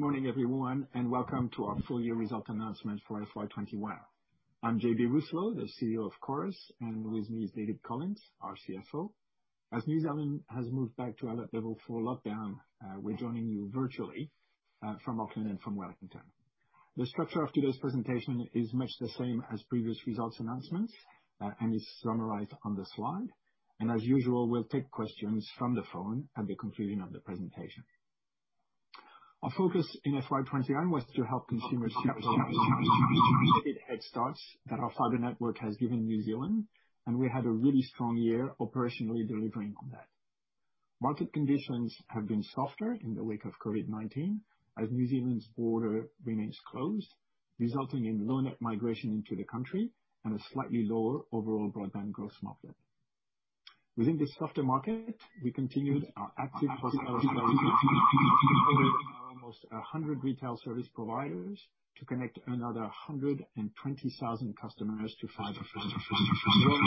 Good morning, everyone, and welcome to our Full Year Result Announcement for FY 2021. I'm JB Rousselot, the CEO of Chorus, and with me is David Collins, our CFO. As New Zealand has moved back to alert Level 4 lockdown, we're joining you virtually from Auckland and from Wellington. The structure of today's presentation is much the same as previous results announcements and is summarized on the slide. As usual, we'll take questions from the phone at the conclusion of the presentation. Our focus in FY 2021 was to help consumers get the head starts that our fiber network has given New Zealand, and we had a really strong year operationally delivering on that. Market conditions have been softer in the wake of COVID-19 as New Zealand's border remains closed, resulting in low net migration into the country and a slightly lower overall broadband growth market. Within this softer market, we continued our active approach with our almost 100 Retail Service Providers to connect another 120,000 customers to fiber. Bringing the total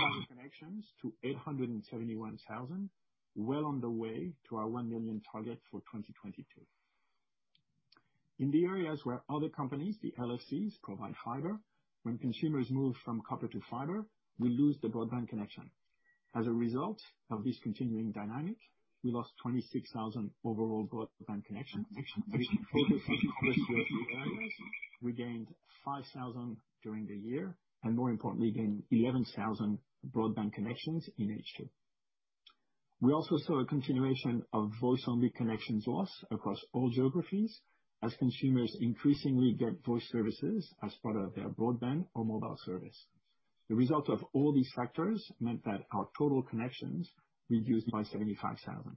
fiber connections to 871,000, well on the way to our 1 million target for 2022. In the areas where other companies, the LFCs, provide fiber, when consumers move from copper to fiber, we lose the broadband connection. As a result of this continuing dynamic, we lost 26,000 overall broadband connections. If we focus on pure UFB areas, we gained 5,000 during the year and more importantly, gained 11,000 broadband connections in H2. We also saw a continuation of voice-only connections loss across all geographies as consumers increasingly get voice services as part of their broadband or mobile service. The result of all these factors meant that our total connections reduced by 75,000.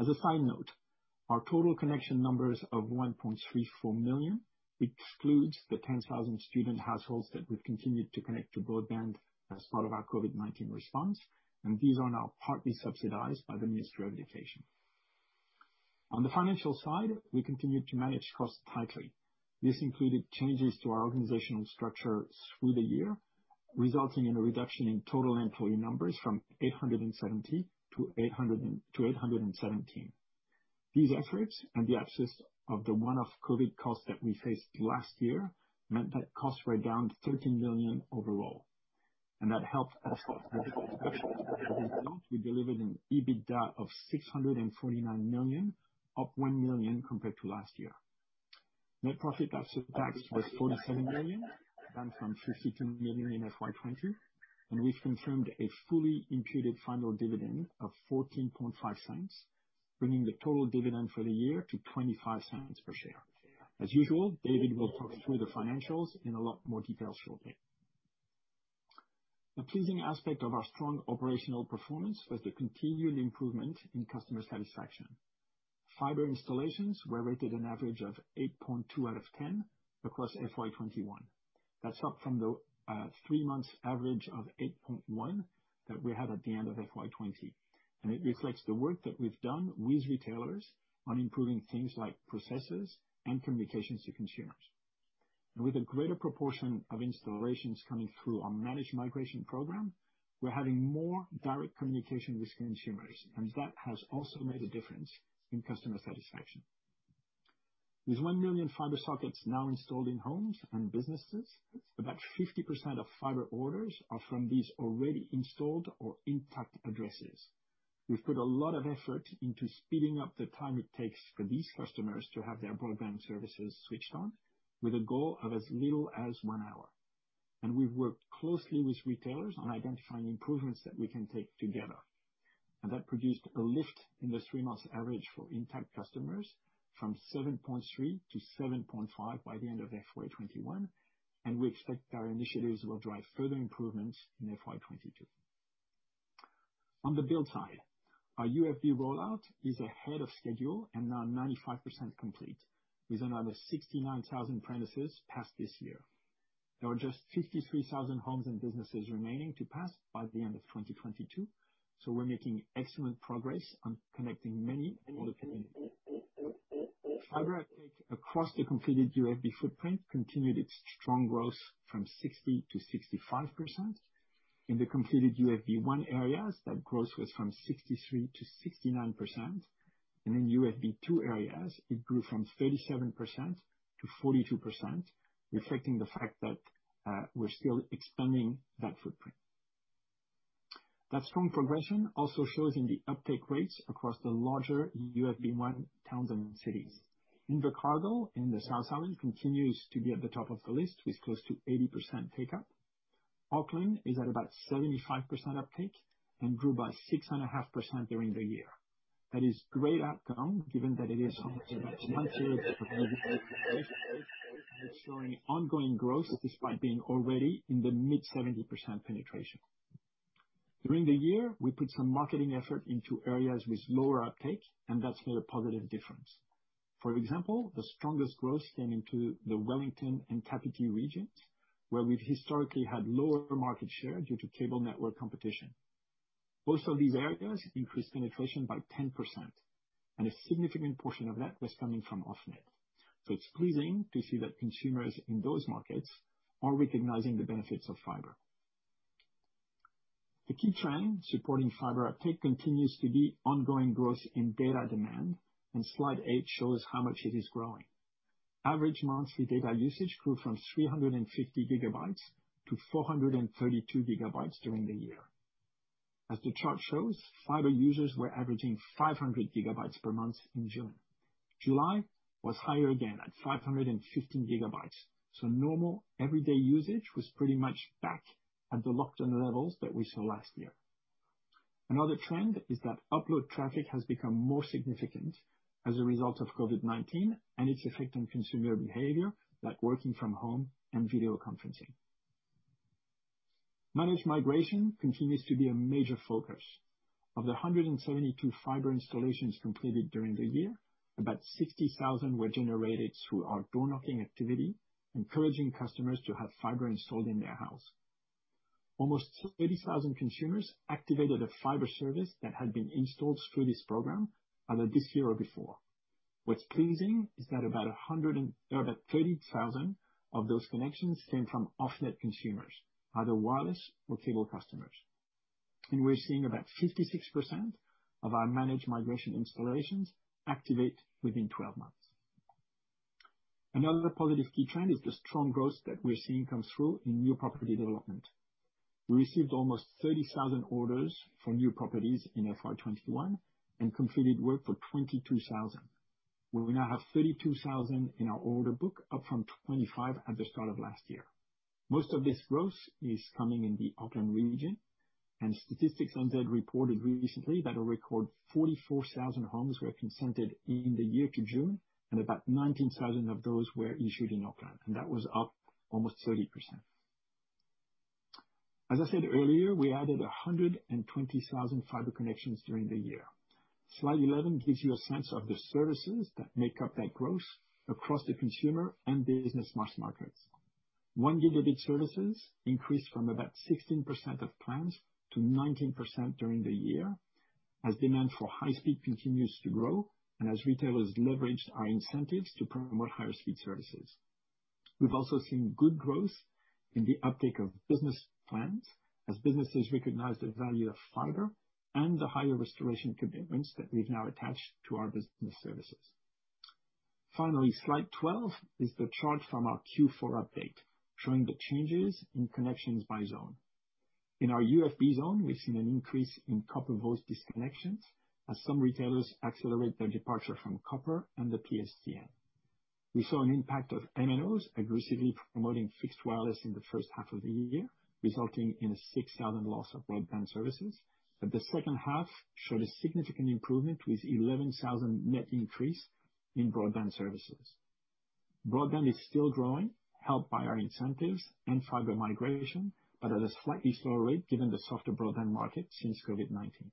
As a side note, our total connection numbers of 1.34 million excludes the 10,000 student households that we've continued to connect to broadband as part of our COVID-19 response. These are now partly subsidized by the Ministry of Education. On the financial side, we continued to manage costs tightly. This included changes to our organizational structure through the year, resulting in a reduction in total employee numbers from 870 to 817. These efforts and the absence of the one-off COVID costs that we faced last year meant that costs were down 13 million overall. That helped us deliver an EBITDA of 649 million, up 1 million compared to last year. Net profit after tax was 47 million, down from 52 million in FY 2020. We've confirmed a fully imputed final dividend of 0.145, bringing the total dividend for the year to 0.25 per share. As usual, David will talk through the financials in a lot more detail shortly. A pleasing aspect of our strong operational performance was the continued improvement in customer satisfaction. Fibre installations were rated an average of 8.2 out of 10 across FY 2021. That's up from the three months average of 8.1 that we had at the end of FY 2020. It reflects the work that we've done with retailers on improving things like processes and communications to consumers. With a greater proportion of installations coming through our Managed Migration program, we're having more direct communication with consumers, and that has also made a difference in customer satisfaction. With 1 million fibre sockets now installed in homes and businesses, about 50% of fibre orders are from these already installed or intact addresses. We've put a lot of effort into speeding up the time it takes for these customers to have their broadband services switched on, with a goal of as little as one hour. We've worked closely with retailers on identifying improvements that we can take together. That produced a lift in the three months average for intact customers from 7.3 to 7.5 by the end of FY 2021, and we expect our initiatives will drive further improvements in FY 2022. On the build side, our UFB rollout is ahead of schedule and now 95% complete, with another 69,000 premises passed this year. There were just 53,000 homes and businesses remaining to pass by the end of 2022, we're making excellent progress on connecting many more. Fibre uptake across the completed UFB footprint continued its strong growth from 60% to 65%. In the completed UFB-1 areas, that growth was from 63%-69%, and in UFB-2 areas, it grew from 37%-42%, reflecting the fact that we're still expanding that footprint. That strong progression also shows in the uptake rates across the larger UFB-1 towns and cities. Invercargill, in the South Island, continues to be at the top of the list with close to 80% take-up. Auckland is at about 75% uptake and grew by 6.5% during the year. That is great outcome given that it is showing ongoing growth despite being already in the mid 70% penetration. During the year, we put some marketing effort into areas with lower uptake, and that's made a positive difference. For example, the strongest growth came into the Wellington and Kapiti regions, where we've historically had lower market share due to cable network competition. Both of these areas increased penetration by 10%, and a significant portion of that was coming from off-net. It's pleasing to see that consumers in those markets are recognizing the benefits of fibre. The key trend supporting fibre uptake continues to be ongoing growth in data demand, and slide 8 shows how much it is growing. Average monthly data usage grew from 350 GB to 432 GB during the year. As the chart shows, fibre users were averaging 500 GB per month in June. July was higher again at 515 GB, so normal everyday usage was pretty much back at the lockdown levels that we saw last year. Another trend is that upload traffic has become more significant as a result of COVID-19 and its effect on consumer behavior, like working from home and video conferencing. Managed Migration continues to be a major focus. Of the 172 fibre installations completed during the year, about 60,000 were generated through our door-knocking activity, encouraging customers to have fibre installed in their house. Almost 30,000 consumers activated a fibre service that had been installed through this program, either this year or before. What's pleasing is that about 30,000 of those connections came from off-net consumers, either wireless or cable customers. We're seeing about 56% of our Managed Migration installations activate within 12 months. Another positive key trend is the strong growth that we're seeing come through in new property development. We received almost 30,000 orders for new properties in FY 2021 and completed work for 22,000, where we now have 32,000 in our order book, up from 25,000 at the start of last year. Most of this growth is coming in the Auckland region. Stats NZ reported recently that a record 44,000 homes were consented in the year to June, and about 19,000 of those were issued in Auckland, and that was up almost 30%. As I said earlier, we added 120,000 fiber connections during the year. Slide 11 gives you a sense of the services that make up that growth across the consumer and business mass markets. 1 Gb services increased from about 16% of plans to 19% during the year as demand for high speed continues to grow and as retailers leveraged our incentives to promote higher speed services. We've also seen good growth in the uptake of business plans as businesses recognize the value of fiber and the higher restoration commitments that we've now attached to our business services. Finally, slide 12 is the chart from our Q4 update, showing the changes in connections by zone. In our UFB zone, we've seen an increase in copper voice disconnections as some retailers accelerate their departure from copper and the PSTN. We saw an impact of MNOs aggressively promoting fixed wireless in the first half of the year, resulting in a 6,000 loss of broadband services. The second half showed a significant improvement with 11,000 net increase in broadband services. Broadband is still growing, helped by our incentives and fibre migration, at a slightly slower rate given the softer broadband market since COVID-19.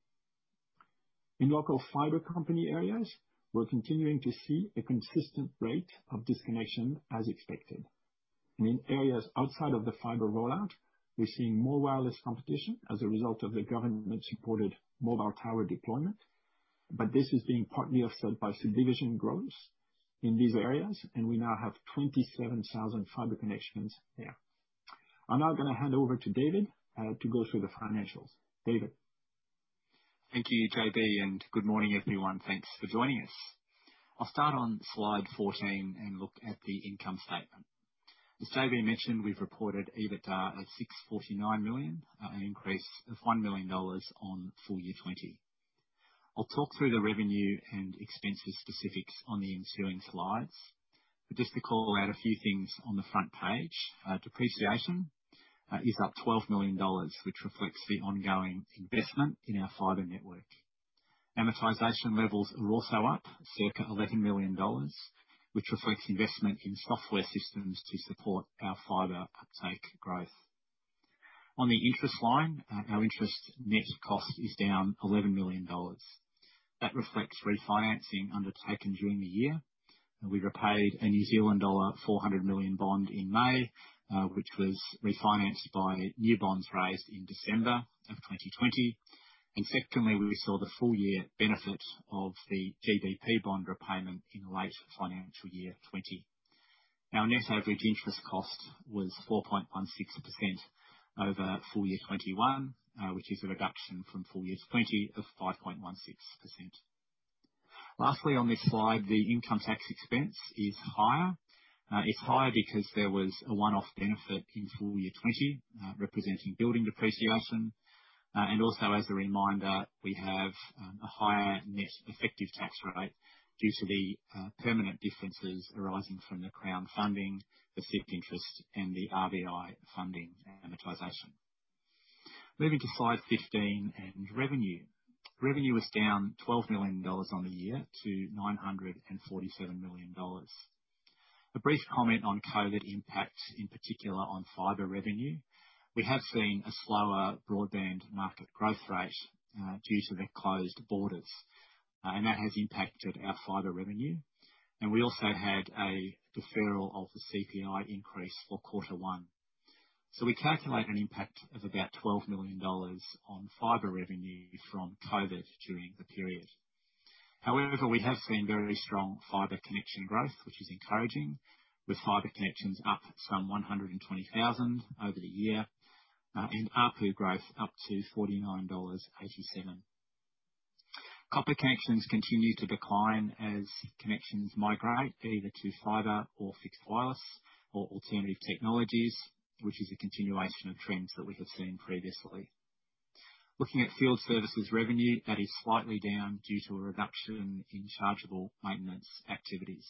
In local fibre company areas, we're continuing to see a consistent rate of disconnection as expected. In areas outside of the fibre rollout, we're seeing more wireless competition as a result of the government-supported mobile tower deployment. This is being partly offset by subdivision growth in these areas, and we now have 27,000 fibre connections there. I'm now going to hand over to David to go through the financials. David? Thank you, JB, and good morning, everyone. Thanks for joining us. I'll start on slide 14 and look at the income statement. As JB mentioned, we've reported EBITDA at 649 million, an increase of 1 million dollars on full year 2020. I'll talk through the revenue and expenses specifics on the ensuing slides. Just to call out a few things on the front page, depreciation is up NZD 12 million, which reflects the ongoing investment in our fibre network. Amortization levels are also up circa 11 million dollars, which reflects investment in software systems to support our fibre uptake growth. On the interest line, our interest net cost is down 11 million dollars. That reflects refinancing undertaken during the year. We repaid a New Zealand dollar 400 million bond in May, which was refinanced by new bonds raised in December 2020. Secondly, we saw the full year benefit of the GBP bond repayment in late financial year 2020. Our net average interest cost was 4.16% over full year 2021, which is a reduction from full year 2020 of 5.16%. Lastly, on this slide, the income tax expense is higher. It's higher because there was a one-off benefit in full year 2020, representing building depreciation. Also as a reminder, we have a higher net effective tax rate due to the permanent differences arising from the Crown funding, the [fixed] interest, and the RBI Funding amortization. Moving to slide 15 and revenue. Revenue was down NZD 12 million on the year to NZD 947 million. A brief comment on COVID impact, in particular on fibre revenue. We have seen a slower broadband market growth rate due to the closed borders. That has impacted our fiber revenue. We also had a deferral of the CPI increase for quarter one. We calculate an impact of about NZD 12 million on fiber revenue from COVID during the period. However, we have seen very strong fiber connection growth, which is encouraging, with fiber connections up some 120,000 over the year, and ARPU growth up to NZD 49.87. Copper connections continue to decline as connections migrate either to fiber or fixed wireless or alternative technologies, which is a continuation of trends that we have seen previously. Looking at field services revenue, that is slightly down due to a reduction in chargeable maintenance activities.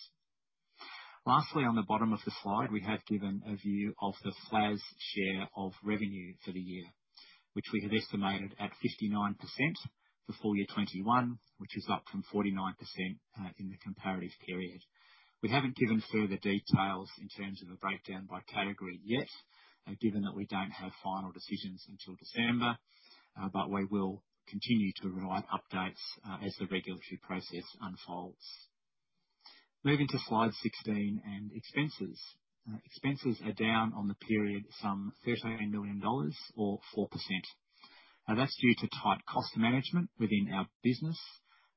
Lastly, on the bottom of the slide, we have given a view of the FFLAS share of revenue for the year, which we have estimated at 59% for full year 2021, which is up from 49% in the comparative period. We haven't given further details in terms of a breakdown by category yet, given that we don't have final decisions until December. We will continue to provide updates as the regulatory process unfolds. Moving to slide 16 and expenses. Expenses are down on the period some 13 million dollars or 4%. That's due to tight cost management within our business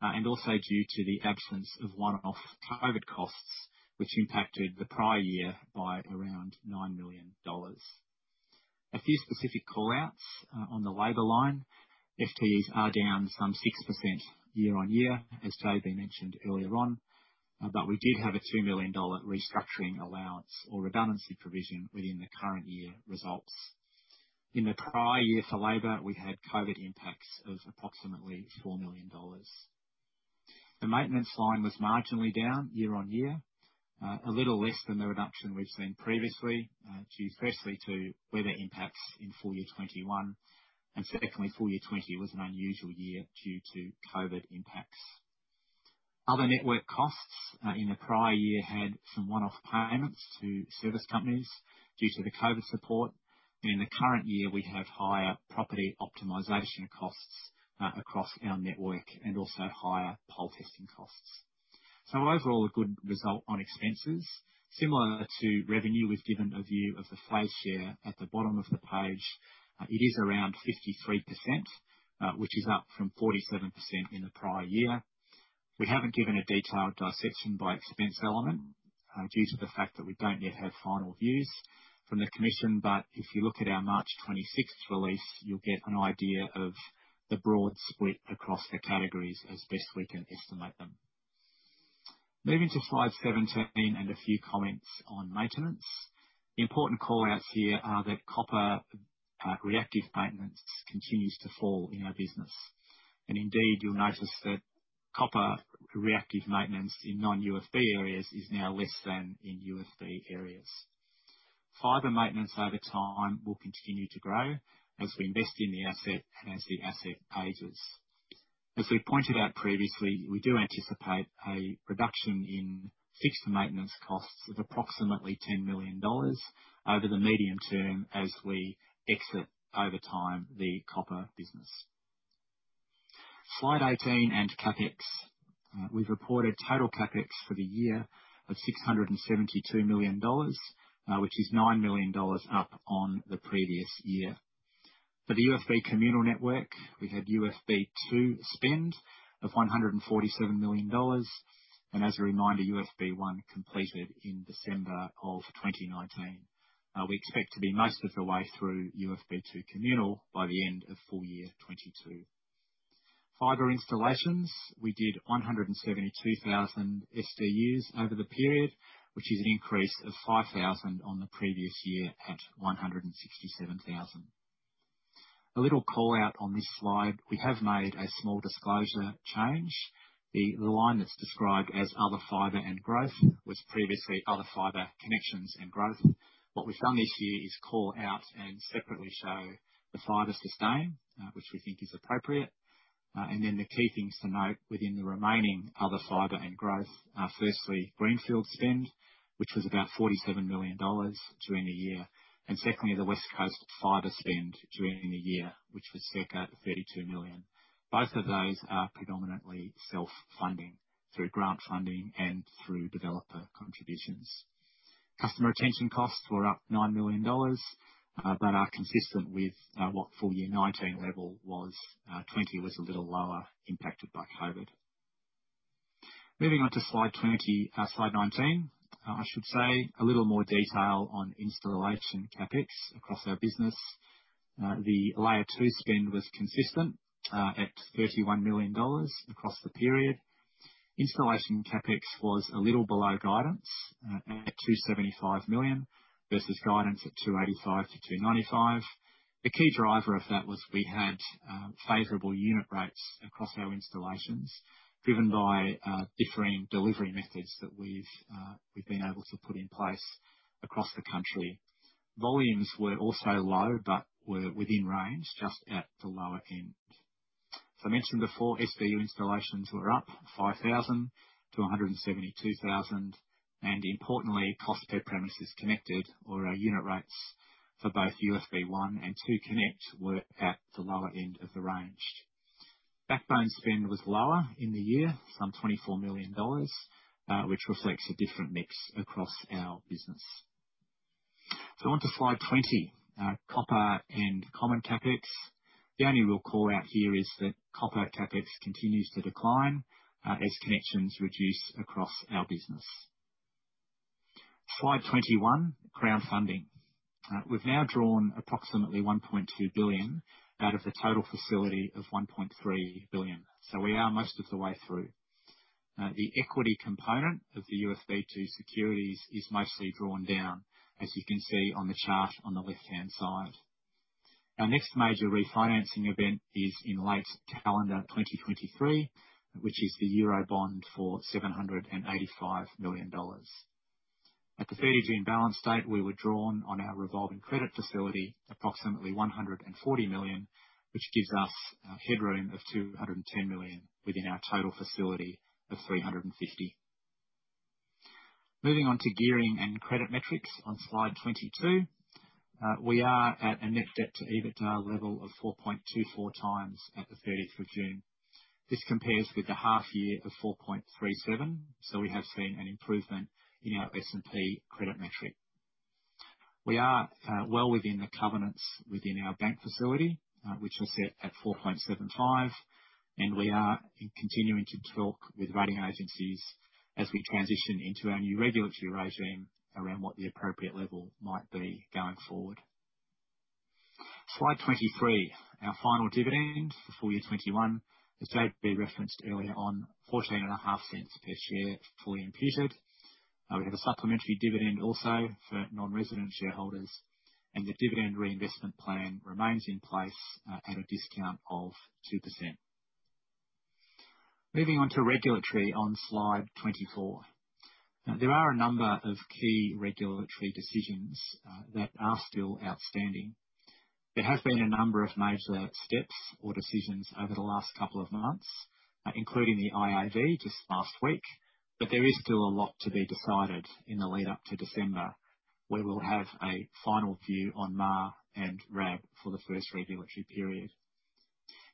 and also due to the absence of one-off COVID costs which impacted the prior year by around 9 million dollars. A few specific call-outs on the labor line. FTEs are down some 6% year on year, as JB mentioned earlier on. But we did have a 2 million dollar restructuring allowance or redundancy provision within the current year results. In the prior year for labor, we had COVID impacts of approximately 4 million dollars. The maintenance line was marginally down year on year, a little less than the reduction we've seen previously, due firstly to weather impacts in full year 2021. Secondly, full year 2020 was an unusual year due to COVID impacts. Other network costs in the prior year had some one-off payments to service companies due to the COVID support. In the current year, we have higher property optimization costs across our network and also higher pole testing costs. Overall, a good result on expenses. Similar to revenue, we've given a view of the FFLAS share at the bottom of the page. It is around 53%, which is up from 47% in the prior year. We haven't given a detailed dissection by expense element due to the fact that we don't yet have final views from the commission, but if you look at our March 26th release, you'll get an idea of the broad split across the categories as best we can estimate them. Moving to slide 17 and a few comments on maintenance. The important call-outs here are that copper reactive maintenance continues to fall in our business. Indeed, you'll notice that copper reactive maintenance in non-UFB areas is now less than in UFB areas. Fibre maintenance over time will continue to grow as we invest in the asset and as the asset ages. As we pointed out previously, we do anticipate a reduction in fixed maintenance costs of approximately 10 million dollars over the medium term as we exit over time the copper business. Slide 18 and CapEx. We've reported total CapEx for the year of 672 million dollars, which is 9 million dollars up on the previous year. For the UFB communal network, we've had UFB-2 spend of 147 million dollars. As a reminder, UFB-1 completed in December of 2019. We expect to be most of the way through UFB-2 communal by the end of full year 2022. Fiber installations, we did 172,000 SDUs over the period, which is an increase of 5,000 on the previous year at 167,000. A little call-out on this slide. We have made a small disclosure change. The line that's described as other fiber and growth was previously other fiber connections and growth. What we've done this year is call out and separately show the fiber sustain, which we think is appropriate. The key things to note within the remaining other fibre and growth are firstly, greenfield spend, which was about 47 million dollars during the year. Secondly, the West Coast Fibre spend during the year, which was circa 32 million. Both of those are predominantly self-funding through grant funding and through developer contributions. Customer retention costs were up 9 million dollars, are consistent with what full year 2019 level was. 2020 was a little lower impacted by COVID. Moving on to slide 19. A little more detail on installation CapEx across our business. The Layer 2 spend was consistent at NZD 31 million across the period. Installation CapEx was a little below guidance at NZD 275 million versus guidance at NZD 285 million-NZD 295 million. The key driver of that was we had favorable unit rates across our installations driven by differing delivery methods that we've been able to put in place across the country. Volumes were also low, but were within range just at the lower end. As I mentioned before, SDU installations were up 5,000 to 172,000. Importantly, cost per premises connected or our unit rates for both UFB-1 and UFB-2 connect were at the lower end of the range. Backbone spend was lower in the year, some 24 million dollars, which reflects a different mix across our business. On to slide 20, copper and common CapEx. The only real call-out here is that copper CapEx continues to decline as connections reduce across our business. Slide 21, Crown funding. We've now drawn approximately 1.2 billion out of the total facility of 1.3 billion. We are most of the way through. The equity component of the UFB-2 securities is mostly drawn down, as you can see on the chart on the left-hand side. Our next major refinancing event is in late calendar 2023, which is the Eurobond for 785 million dollars. At the June 30 balance date, we were drawn on our revolving credit facility, approximately 140 million, which gives us headroom of 210 million within our total facility of 350 million. Moving on to gearing and credit metrics on slide 22. We are at a net debt to EBITDA level of 4.24x at the June 30. This compares with the half year of 4.37x. We have seen an improvement in our S&P credit metric. We are well within the covenants within our bank facility, which was set at 4.75x. We are continuing to talk with rating agencies as we transition into our new regulatory regime around what the appropriate level might be going forward. Slide 23, our final dividend for full year 2021, as JB referenced earlier on, 0.145 per share, fully imputed. We have a supplementary dividend also for non-resident shareholders, and the dividend reinvestment plan remains in place at a discount of 2%. Moving on to regulatory on slide 24. There are a number of key regulatory decisions that are still outstanding. There have been a number of major steps or decisions over the last couple of months, including the IAD just last week, but there is still a lot to be decided in the lead up to December, where we'll have a final view on MAR and RAB for the first regulatory period.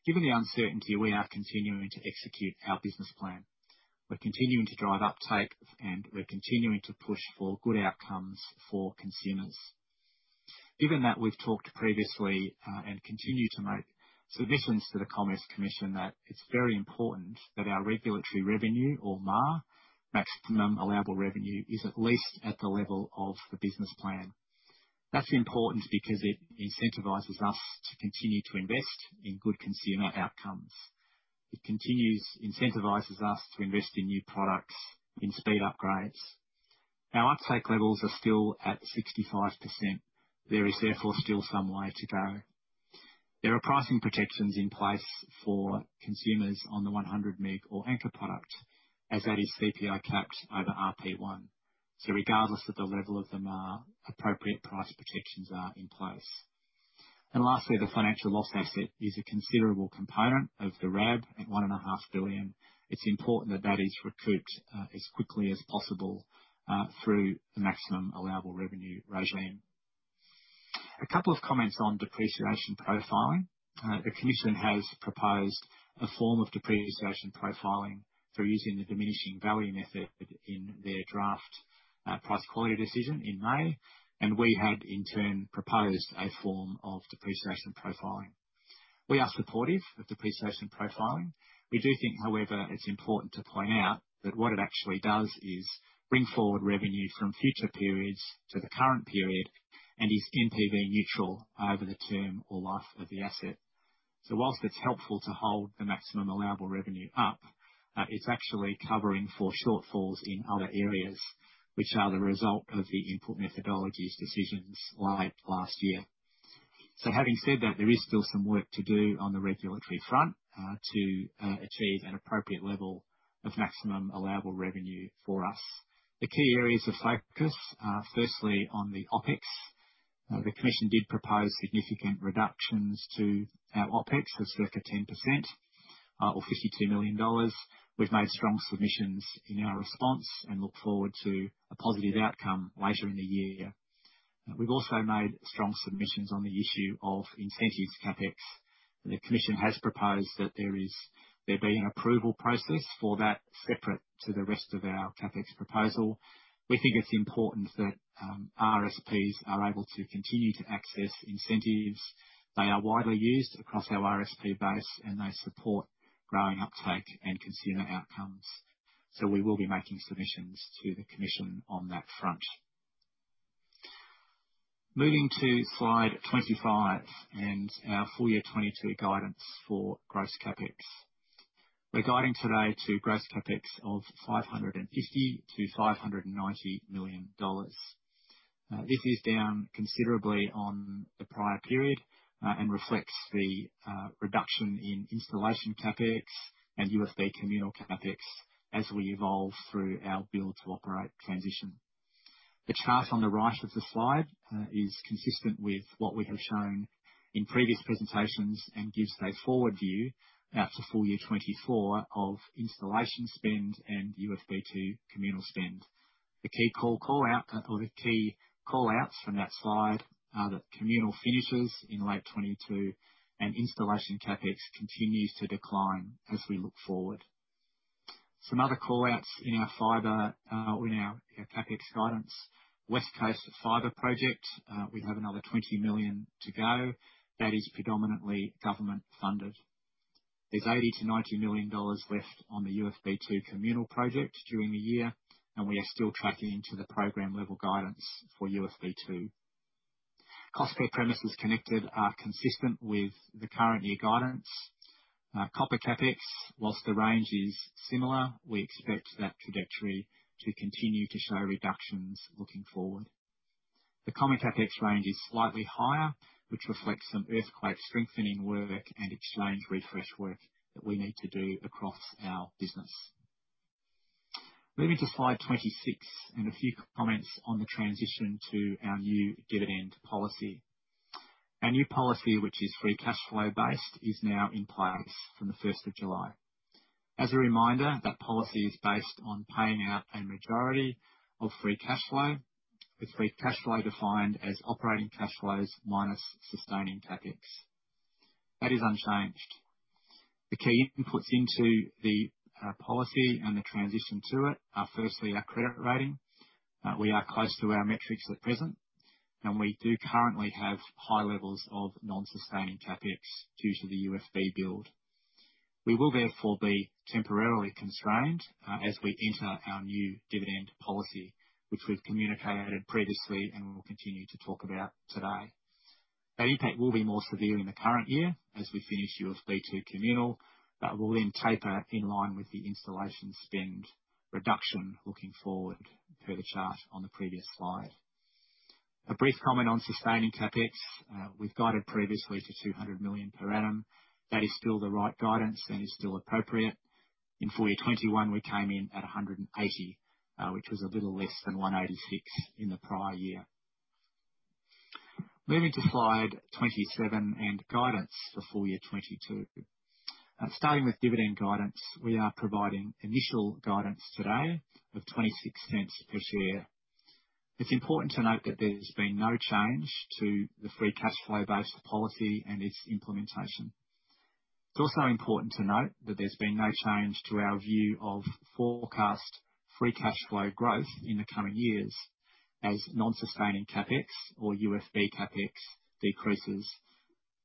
Given the uncertainty, we are continuing to execute our business plan. We're continuing to drive uptake, and we're continuing to push for good outcomes for consumers. Given that we've talked previously and continue to make submissions to the Commerce Commission that it's very important that our regulatory revenue or MAR, maximum allowable revenue, is at least at the level of the business plan. That's important because it incentivizes us to continue to invest in good consumer outcomes. It incentivizes us to invest in new products, in speed upgrades. Our uptake levels are still at 65%. There is therefore still some way to go. There are pricing protections in place for consumers on the 100 Mbps or anchor product, as that is CPI capped over RP1. Regardless of the level of the MAR, appropriate price protections are in place. Lastly, the financial loss asset is a considerable component of the RAB at 1.5 billion. It's important that that is recouped as quickly as possible through the Maximum Allowable Revenue regime. A couple of comments on depreciation profiling. The commission has proposed a form of depreciation profiling through using the diminishing value method in their draft price quality decision in May, and we had in turn proposed a form of depreciation profiling. We are supportive of depreciation profiling. We do think, however, it's important to point out that what it actually does is bring forward revenue from future periods to the current period and is NPV neutral over the term or life of the asset. Whilst it's helpful to hold the Maximum Allowable Revenue up, it's actually covering for shortfalls in other areas, which are the result of the input methodologies decisions late last year. Having said that, there is still some work to do on the regulatory front to achieve an appropriate level of Maximum Allowable Revenue for us. The key areas of focus are firstly on the OpEx. The commission did propose significant reductions to our OpEx of circa 10% or 52 million dollars. We've made strong submissions in our response and look forward to a positive outcome later in the year. We've also made strong submissions on the issue of incentives CapEx. The commission has proposed that there be an approval process for that separate to the rest of our CapEx proposal. We think it's important that RSPs are able to continue to access incentives. They are widely used across our RSP base, and they support growing uptake and consumer outcomes. We will be making submissions to the commission on that front. Moving to slide 25 and our full year 2022 guidance for gross CapEx. We're guiding today to gross CapEx of 550 million-590 million dollars. This is down considerably on the prior period and reflects the reduction in installation CapEx and UFB communal CapEx as we evolve through our build to operate transition. The chart on the right of the slide is consistent with what we have shown in previous presentations and gives a forward view out to full year 2024 of installation spend and UFB-2 communal spend. The key call-outs from that slide are that communal finishes in late 2022 and installation CapEx continues to decline as we look forward. Some other call-outs in our fibre, in our CapEx guidance. West Coast Fibre project, we have another 20 million to go. That is predominantly government-funded. There's 80 million-90 million dollars left on the UFB-2 communal project during the year. We are still tracking into the program-level guidance for UFB-2. Cost per premises connected are consistent with the current year guidance. Copper CapEx, whilst the range is similar, we expect that trajectory to continue to show reductions looking forward. The comm CapEx range is slightly higher, which reflects some earthquake strengthening work and exchange refresh work that we need to do across our business. Moving to slide 26. A few comments on the transition to our new dividend policy. Our new policy, which is free cash flow based, is now in place from the 1st of July. As a reminder, that policy is based on paying out a majority of free cash flow, with free cash flow defined as operating cash flows minus sustaining CapEx. That is unchanged. The key inputs into the policy and the transition to it are firstly our credit rating. We are close to our metrics at present. We do currently have high levels of non-sustaining CapEx due to the UFB build. We will therefore be temporarily constrained as we enter our new dividend policy, which we've communicated previously and will continue to talk about today. That impact will be more severe in the current year as we finish UFB2 communal. That will taper in line with the installation spend reduction looking forward, per the chart on the previous slide. A brief comment on sustaining CapEx. We've guided previously to 200 million per annum. That is still the right guidance. That is still appropriate. In full year 2021, we came in at 180, which was a little less than 186 in the prior year. Moving to slide 27 and guidance for full year 2022. Starting with dividend guidance, we are providing initial guidance today of 0.26 per share. It's important to note that there's been no change to the free cash flow based policy and its implementation. It's also important to note that there's been no change to our view of forecast free cash flow growth in the coming years as non-sustaining CapEx or UFB CapEx decreases.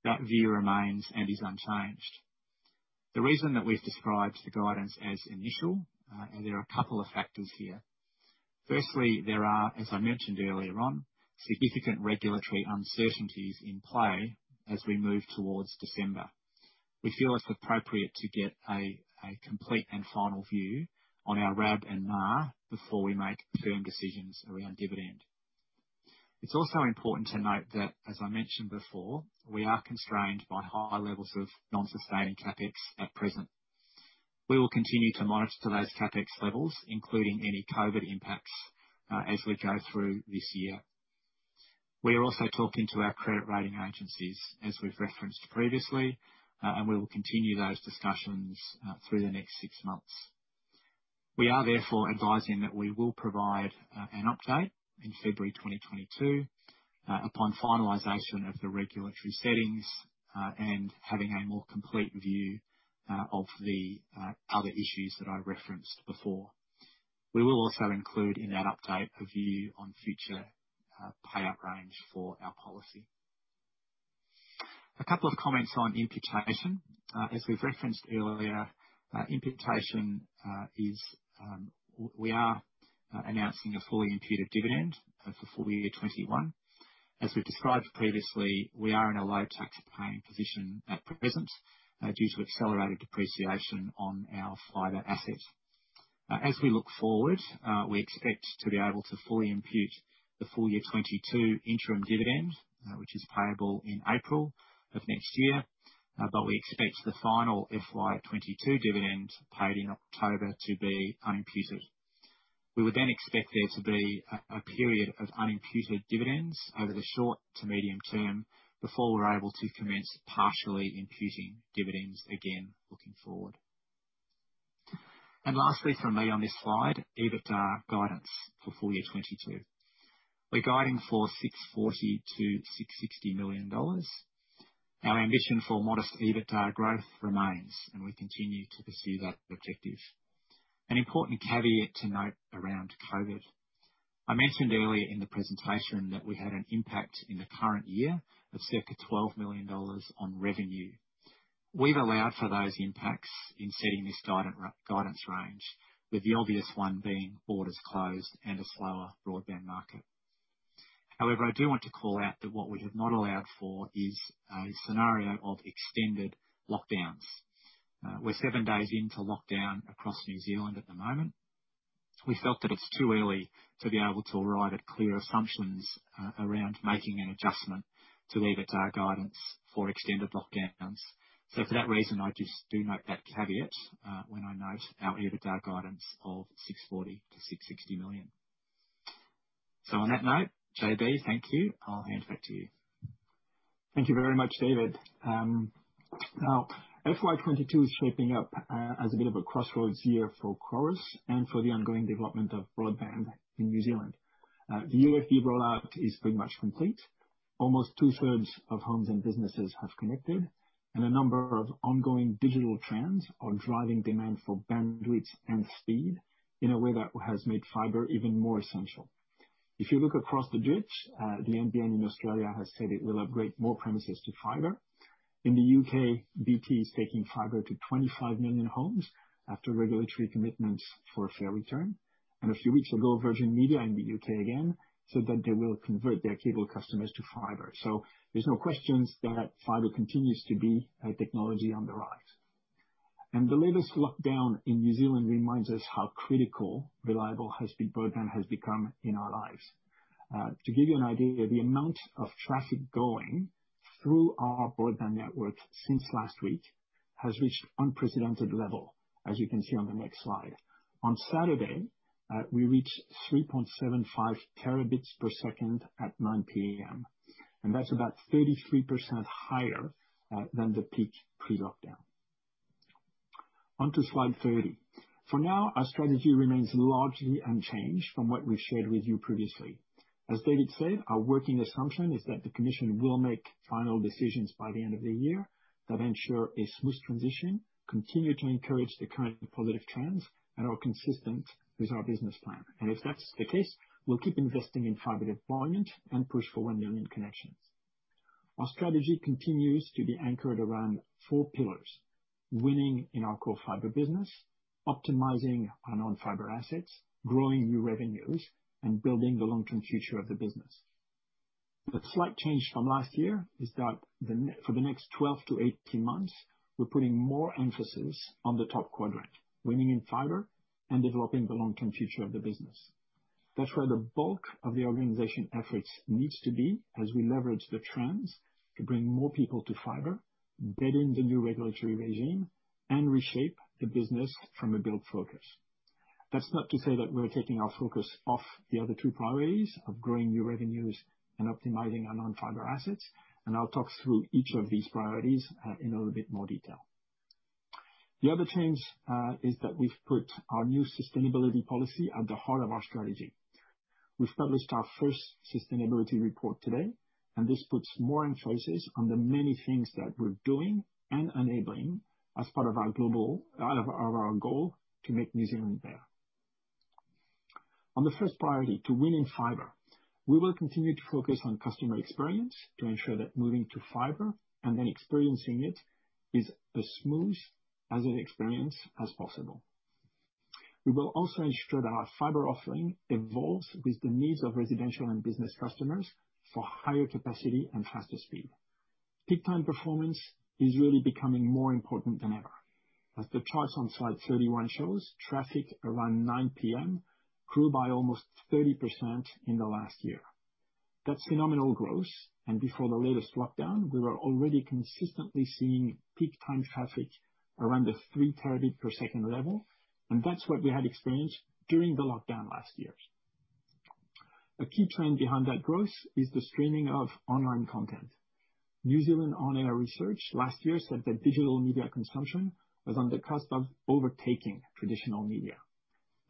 That view remains and is unchanged. The reason that we've described the guidance as initial, and there are a couple of factors here. Firstly, there are, as I mentioned earlier on, significant regulatory uncertainties in play as we move towards December. We feel it's appropriate to get a complete and final view on our RAB and MAR before we make firm decisions around dividend. It's also important to note that, as I mentioned before, we are constrained by high levels of non-sustaining CapEx at present. We will continue to monitor those CapEx levels, including any COVID impacts, as we go through this year. We are also talking to our credit rating agencies, as we've referenced previously, and we will continue those discussions through the next six months. We are therefore advising that we will provide an update in February 2022 upon finalization of the regulatory settings and having a more complete view of the other issues that I referenced before. We will also include in that update a view on future payout range for our policy. A couple of comments on imputation. As we've referenced earlier, we are announcing a fully imputed dividend for full year 2021. As we've described previously, we are in a low tax paying position at present due to accelerated depreciation on our fibre asset. As we look forward, we expect to be able to fully impute the full year 2022 interim dividend, which is payable in April of next year. We expect the final FY 2022 dividend paid in October to be un-imputed. We would expect there to be a period of un-imputed dividends over the short to medium term before we're able to commence partially imputing dividends again looking forward. Lastly from me on this slide, EBITDA guidance for full year 2022. We're guiding for 640 million-660 million dollars. Our ambition for modest EBITDA growth remains, and we continue to pursue that objective. An important caveat to note around COVID. I mentioned earlier in the presentation that we've had an impact in the current year of circa NZD 12 million on revenue. We've allowed for those impacts in setting this guidance range, with the obvious one being borders closed and a slower broadband market. I do want to call out that what we have not allowed for is a scenario of extended lockdowns. We're seven days into lockdown across New Zealand at the moment. We felt that it's too early to be able to arrive at clear assumptions around making an adjustment to EBITDA guidance for extended lockdowns. For that reason, I just do note that caveat when I note our EBITDA guidance of 640 million-660 million. On that note, JB, thank you. I'll hand back to you. Thank you very much, David. FY 2022 is shaping up as a bit of a crossroads year for Chorus and for the ongoing development of broadband in New Zealand. The UFB rollout is pretty much complete. Almost 2/3 of homes and businesses have connected, a number of ongoing digital trends are driving demand for bandwidth and speed in a way that has made fiber even more essential. If you look across the ditch, the NBN in Australia has said it will upgrade more premises to fiber. In the U.K., BT is taking fiber to 25 million homes after regulatory commitments for a fair return. A few weeks ago, Virgin Media in the U.K. again, said that they will convert their cable customers to fiber. There's no question that fiber continues to be a technology on the rise. The latest lockdown in New Zealand reminds us how critical reliable high-speed broadband has become in our lives. To give you an idea, the amount of traffic going through our broadband network since last week has reached unprecedented level, as you can see on the next slide. On Saturday, we reached 3.75 Tb per second at 9:00 P.M., and that's about 33% higher than the peak pre-lockdown. On to slide 30. For now, our strategy remains largely unchanged from what we shared with you previously. As David said, our working assumption is that the Commission will make final decisions by the end of the year that ensure a smooth transition, continue to encourage the current positive trends, and are consistent with our business plan. If that's the case, we'll keep investing in fiber deployment and push for 1 million connections. Our strategy continues to be anchored around four pillars: winning in our core fibre business, optimizing our non-fibre assets, growing new revenues, and building the long-term future of the business. The slight change from last year is that for the next 12-18 months, we're putting more emphasis on the top quadrant, winning in fibre and developing the long-term future of the business. That's where the bulk of the organization efforts needs to be as we leverage the trends to bring more people to fibre, bed in the new regulatory regime, and reshape the business from a build focus. That's not to say that we're taking our focus off the other two priorities of growing new revenues and optimizing our non-fibre assets, and I'll talk through each of these priorities in a little bit more detail. The other change is that we've put our new sustainability policy at the heart of our strategy. We've published our first sustainability report today. This puts more emphasis on the many things that we're doing and enabling as part of our goal to make New Zealand better. On the first priority, to win in fibre, we will continue to focus on customer experience to ensure that moving to fibre and then experiencing it is as smooth as an experience as possible. We will also ensure that our fibre offering evolves with the needs of residential and business customers for higher capacity and faster speed. Peak time performance is really becoming more important than ever. As the chart on slide 31 shows, traffic around 9:00 P.M. grew by almost 30% in the last year. That's phenomenal growth. Before the latest lockdown, we were already consistently seeing peak time traffic around the 3 Tb per second level. That's what we had experienced during the lockdown last year. A key trend behind that growth is the streaming of online content. New Zealand On Air research last year said that digital media consumption was on the cusp of overtaking traditional media.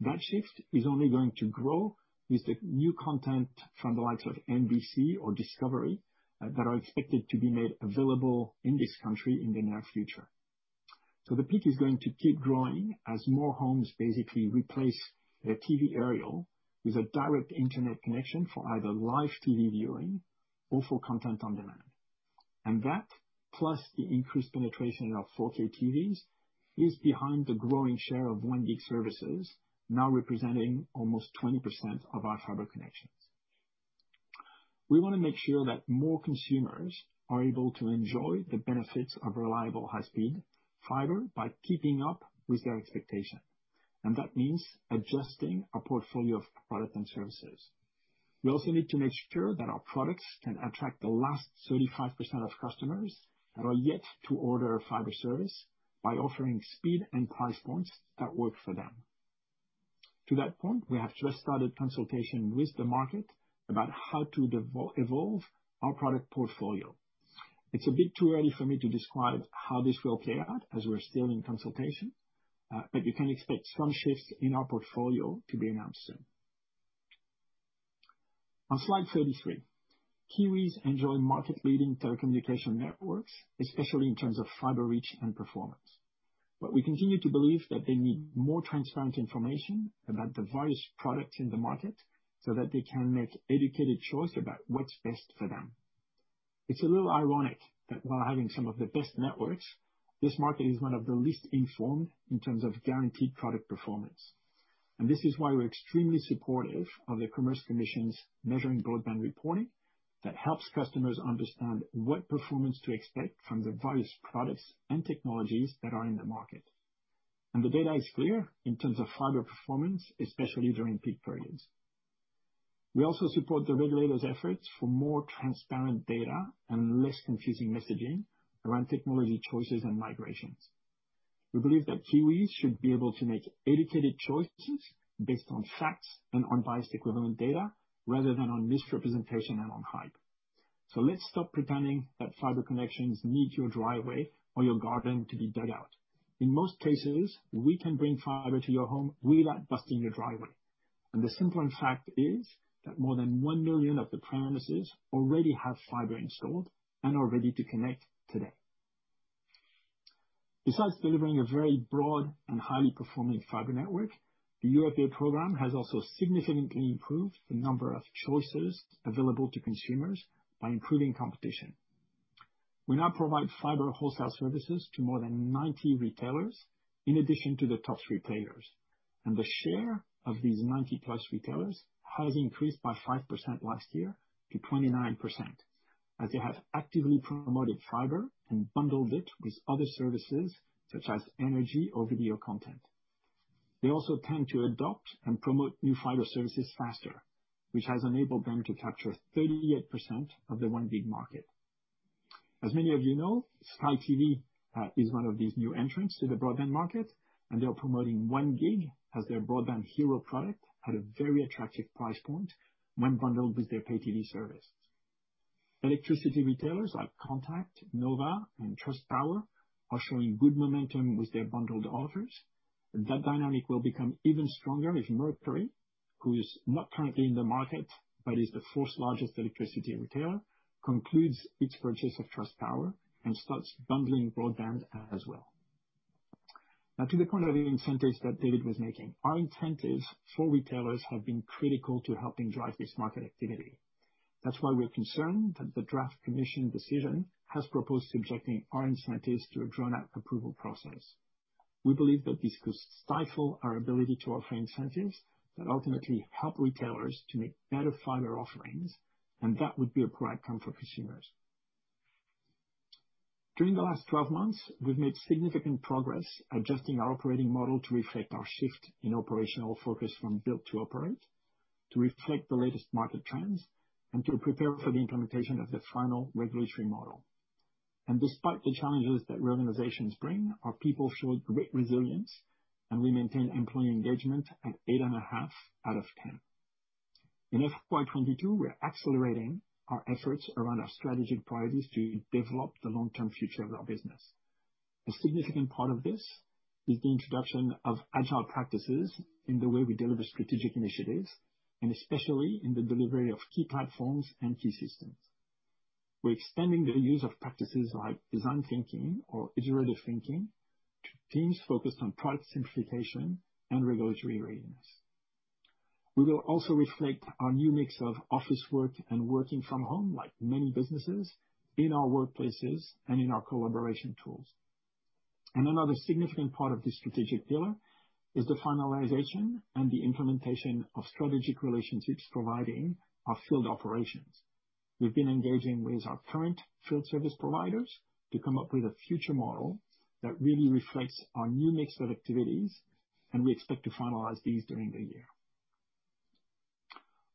That shift is only going to grow with the new content from the likes of NBC or Discovery that are expected to be made available in this country in the near future. The peak is going to keep growing as more homes basically replace their TV aerial with a direct internet connection for either live TV viewing or for content on demand. That, plus the increased penetration of 4K TVs, is behind the growing share of 1 Gb services, now representing almost 20% of our fiber connections. We want to make sure that more consumers are able to enjoy the benefits of reliable high-speed fiber by keeping up with their expectations. That means adjusting our portfolio of products and services. We also need to make sure that our products can attract the last 35% of customers that are yet to order a fiber service by offering speed and price points that work for them. To that point, we have just started consultation with the market about how to evolve our product portfolio. It's a bit too early for me to describe how this will play out as we're still in consultation, but you can expect some shifts in our portfolio to be announced soon. On slide 33. Kiwis enjoy market-leading telecommunication networks, especially in terms of fiber reach and performance. We continue to believe that they need more transparent information about the various products in the market so that they can make educated choice about what's best for them. It's a little ironic that while having some of the best networks, this market is one of the least informed in terms of guaranteed product performance. This is why we're extremely supportive of the Commerce Commission's measuring broadband reporting that helps customers understand what performance to expect from the various products and technologies that are in the market. The data is clear in terms of fiber performance, especially during peak periods. We also support the regulators' efforts for more transparent data and less confusing messaging around technology choices and migrations. We believe that Kiwis should be able to make educated choices based on facts and unbiased equivalent data rather than on misrepresentation and on hype. Let's stop pretending that fiber connections need your driveway or your garden to be dug out. In most cases, we can bring fiber to your home without busting your driveway. And the simple fact is that more than 1 million of the premises already have fiber installed and are ready to connect today. Besides delivering a very broad and highly performing fiber network, the UFB program has also significantly improved the number of choices available to consumers by improving competition. We now provide fiber wholesale services to more than 90 retailers, in addition to the top three players. The share of these 90+ retailers has increased by 5% last year to 29%, as they have actively promoted fiber and bundled it with other services such as energy or video content. They also tend to adopt and promote new fiber services faster, which has enabled them to capture 38% of the 1 Gb market. As many of you know, Sky TV is one of these new entrants to the broadband market, and they are promoting 1 Gb as their broadband hero product at a very attractive price point when bundled with their pay-TV service. Electricity retailers like Contact, Nova, and Trustpower are showing good momentum with their bundled offers, and that dynamic will become even stronger if Mercury, who is not currently in the market but is the fourth largest electricity retailer, concludes its purchase of Trustpower and starts bundling broadband as well. To the point of the incentives that David was making. Our incentives for retailers have been critical to helping drive this market activity. That's why we're concerned that the draft Commission decision has proposed subjecting our incentives to a drawn-out approval process. We believe that this could stifle our ability to offer incentives that ultimately help retailers to make better fiber offerings, and that would be a great harm for consumers. During the last 12 months, we've made significant progress adjusting our operating model to reflect our shift in operational focus from build to operate, to reflect the latest market trends, and to prepare for the implementation of the final regulatory model. Despite the challenges that reorganizations bring, our people showed great resilience, and we maintained employee engagement at 8.5 out of 10. In FY 2022, we're accelerating our efforts around our strategic priorities to develop the long-term future of our business. A significant part of this is the introduction of agile practices in the way we deliver strategic initiatives, and especially in the delivery of key platforms and key systems. We're extending the use of practices like design thinking or iterative thinking to teams focused on product simplification and regulatory readiness. We will also reflect our new mix of office work and working from home, like many businesses, in our workplaces and in our collaboration tools. Another significant part of this strategic pillar is the finalization and the implementation of strategic relationships providing our field operations. We've been engaging with our current field service providers to come up with a future model that really reflects our new mix of activities, and we expect to finalize these during the year.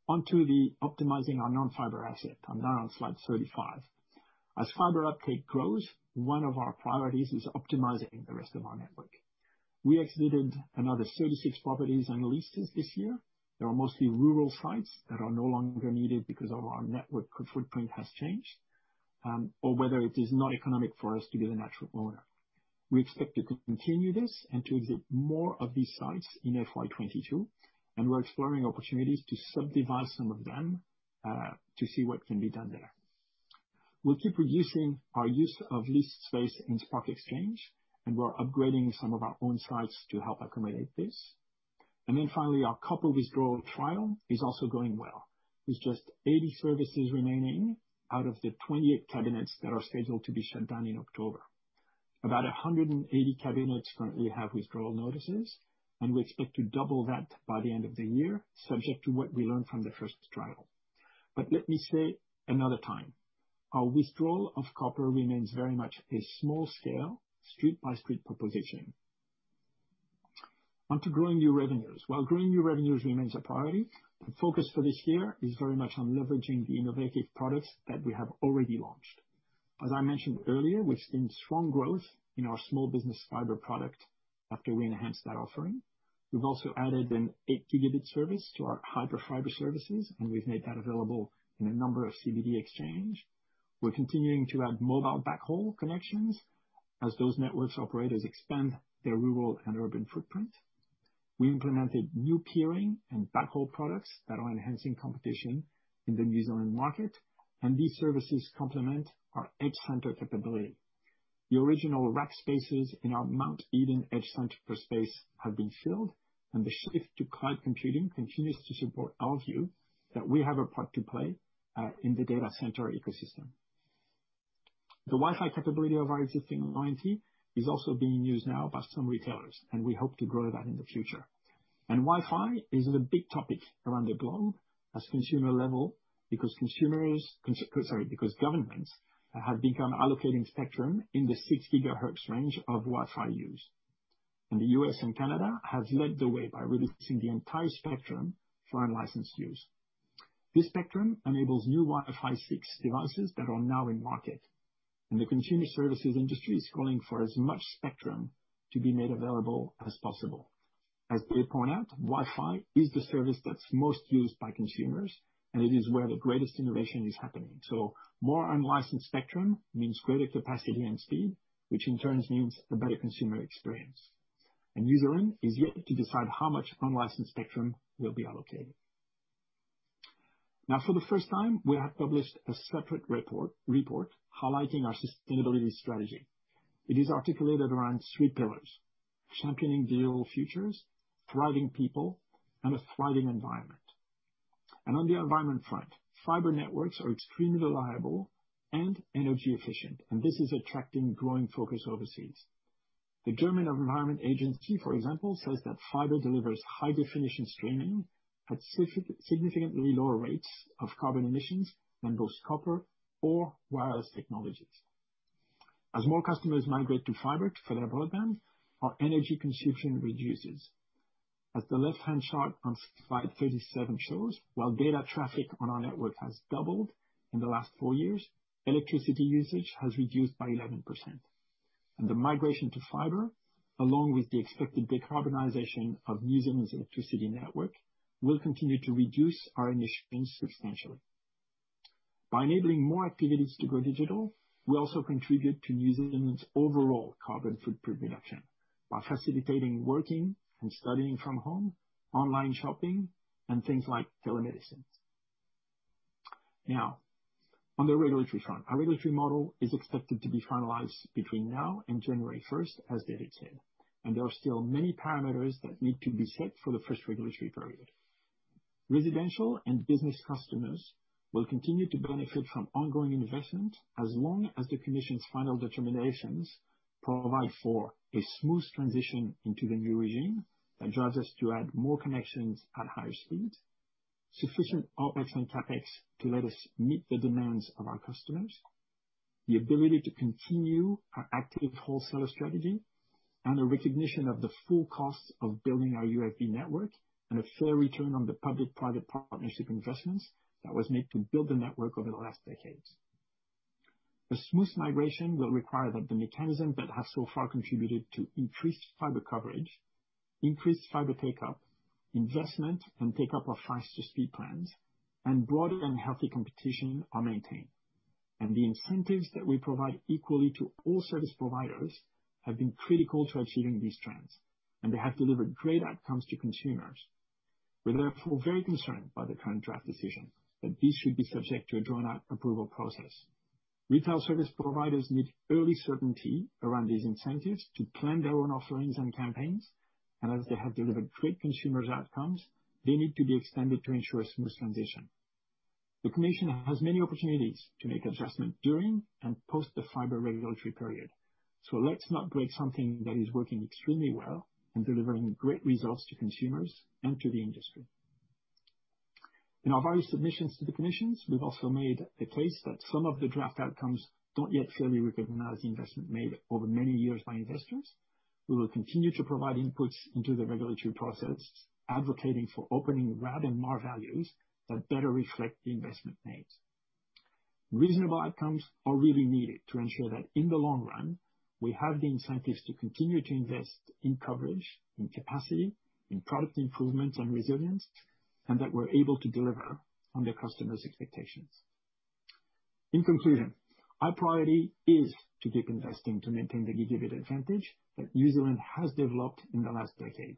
On to the optimizing our non-fiber asset. I'm now on slide 35. As fiber uptake grows, one of our priorities is optimizing the rest of our network. We exited another 36 properties and leases this year. They are mostly rural sites that are no longer needed because our network footprint has changed, or whether it is not economic for us to be the network owner. We expect to continue this and to exit more of these sites in FY 2022. We're exploring opportunities to subdivide some of them to see what can be done there. We'll keep reducing our use of leased space in Spark Exchange. We're upgrading some of our own sites to help accommodate this. Finally, our copper withdrawal trial is also going well, with just 80 services remaining out of the 28 cabinets that are scheduled to be shut down in October. About 180 cabinets currently have withdrawal notices, and we expect to double that by the end of the year, subject to what we learn from the first trial. Let me say another time, our withdrawal of copper remains very much a small scale, street-by-street proposition. On to growing new revenues. While growing new revenues remains a priority, the focus for this year is very much on leveraging the innovative products that we have already launched. As I mentioned earlier, we've seen strong growth in our small business fibre product after we enhanced that offering. We've also added an 8 Gb service to our Hyperfibre services, and we've made that available in a number of CBD exchange. We're continuing to add mobile backhaul connections as those networks operators expand their rural and urban footprint. We implemented new peering and backhaul products that are enhancing competition in the New Zealand market, and these services complement our EdgeCentre capability. The original rack spaces in our Mount Eden EdgeCentre space have been filled, and the shift to cloud computing continues to support our view that we have a part to play in the data center ecosystem. The Wi-Fi capability of our existing IT is also being used now by some retailers, and we hope to grow that in the future. Wi-Fi is a big topic around the globe at consumer level because consumers, because governments have begun allocating spectrum in the 6 GHz range of Wi-Fi use. The U.S. and Canada have led the way by releasing the entire spectrum for unlicensed use. This spectrum enables new Wi-Fi 6 devices that are now in market, and the consumer services industry is calling for as much spectrum to be made available as possible. As David pointed out, Wi-Fi is the service that's most used by consumers, and it is where the greatest innovation is happening. More unlicensed spectrum means greater capacity and speed, which in turn means a better consumer experience. New Zealand is yet to decide how much unlicensed spectrum will be allocated. Now, for the first time, we have published a separate report highlighting our sustainability strategy. It is articulated around three pillars: championing digital futures, thriving people, and a thriving environment. On the environment front, fiber networks are extremely reliable and energy efficient, and this is attracting growing focus overseas. The German Environment Agency, for example, says that fiber delivers high-definition streaming at significantly lower rates of carbon emissions than both copper or wireless technologies. As more customers migrate to fiber for their broadband, our energy consumption reduces. As the left-hand chart on slide 37 shows, while data traffic on our network has doubled in the last four years, electricity usage has reduced by 11%. The migration to fiber, along with the expected decarbonization of New Zealand's electricity network, will continue to reduce our emissions substantially. By enabling more activities to go digital, we also contribute to New Zealand's overall carbon footprint reduction by facilitating working and studying from home, online shopping, and things like telemedicine. Now, on the regulatory front, our regulatory model is expected to be finalized between now and January 1st, as David said. There are still many parameters that need to be set for the first regulatory period. Residential and business customers will continue to benefit from ongoing investment as long as the Commission's final determinations provide for a smooth transition into the new regime that drives us to add more connections at higher speed, sufficient OpEx and CapEx to let us meet the demands of our customers, the ability to continue our active wholesaler strategy, and a recognition of the full cost of building our UFB network and a fair return on the public-private partnership investments that was made to build the network over the last decade. A smooth migration will require that the mechanism that has so far contributed to increased fibre coverage, increased fibre take-up, investment and take-up of faster speed plans, and broader and healthy competition are maintained. The incentives that we provide equally to all service providers have been critical to achieving these trends, and they have delivered great outcomes to consumers. We're therefore very concerned by the current draft decision that this should be subject to a drawn-out approval process. Retail service providers need early certainty around these incentives to plan their own offerings and campaigns, and as they have delivered great consumer outcomes, they need to be extended to ensure a smooth transition. The Commission has many opportunities to make adjustment during and post the fibre regulatory period. Let's not break something that is working extremely well and delivering great results to consumers and to the industry. In our various submissions to the commissions, we've also made a case that some of the draft outcomes do not yet clearly recognize the investment made over many years by investors. We will continue to provide inputs into the regulatory process, advocating for opening RAB and MAR values that better reflect the investment made. Reasonable outcomes are really needed to ensure that in the long run, we have the incentives to continue to invest in coverage, in capacity, in product improvement and resilience, and that we are able to deliver on the customers' expectations. In conclusion, our priority is to keep investing to maintain the gigabit advantage that New Zealand has developed in the last decade.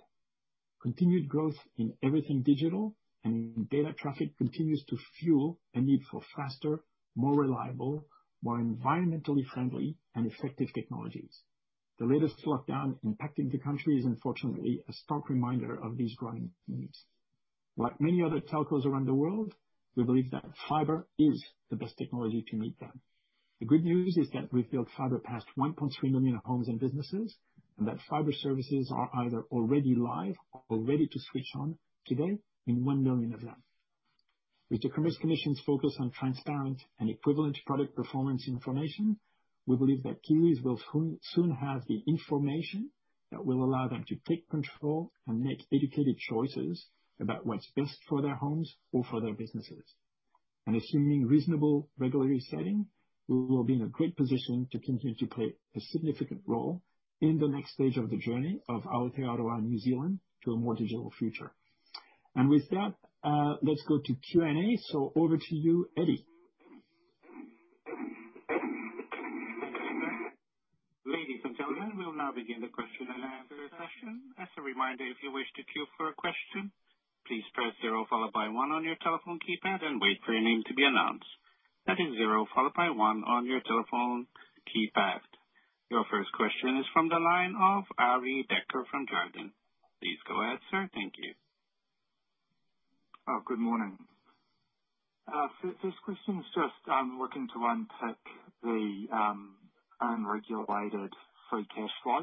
Continued growth in everything digital and data traffic continues to fuel a need for faster, more reliable, more environmentally friendly, and effective technologies. The latest lockdown impacting the country is unfortunately a stark reminder of these growing needs. Like many other telcos around the world, we believe that fibre is the best technology to meet them. The good news is that we've built fibre past 1.3 million homes and businesses, and that fibre services are either already live or ready to switch on today in 1 million of them. With the Commerce Commission's focus on transparent and equivalent product performance information, we believe that Kiwis will soon have the information that will allow them to take control and make educated choices about what's best for their homes or for their businesses. Assuming reasonable regulatory setting, we will be in a great position to continue to play a significant role in the next stage of the journey of Aotearoa, New Zealand, to a more digital future. With that, let's go to Q&A. Over to you, Eddie. Ladies and gentlemen, we will now begin the question and answer session. As a reminder, if you wish to queue for a question, please press zero followed by one on your telephone keypad and wait for your name to be announced. That is zero followed by one on your telephone keypad. Your first question is from the line of Arie Dekker from Jarden. Please go ahead, sir. Thank you. Good morning. The first question is just looking to unpick the unregulated free cash flow.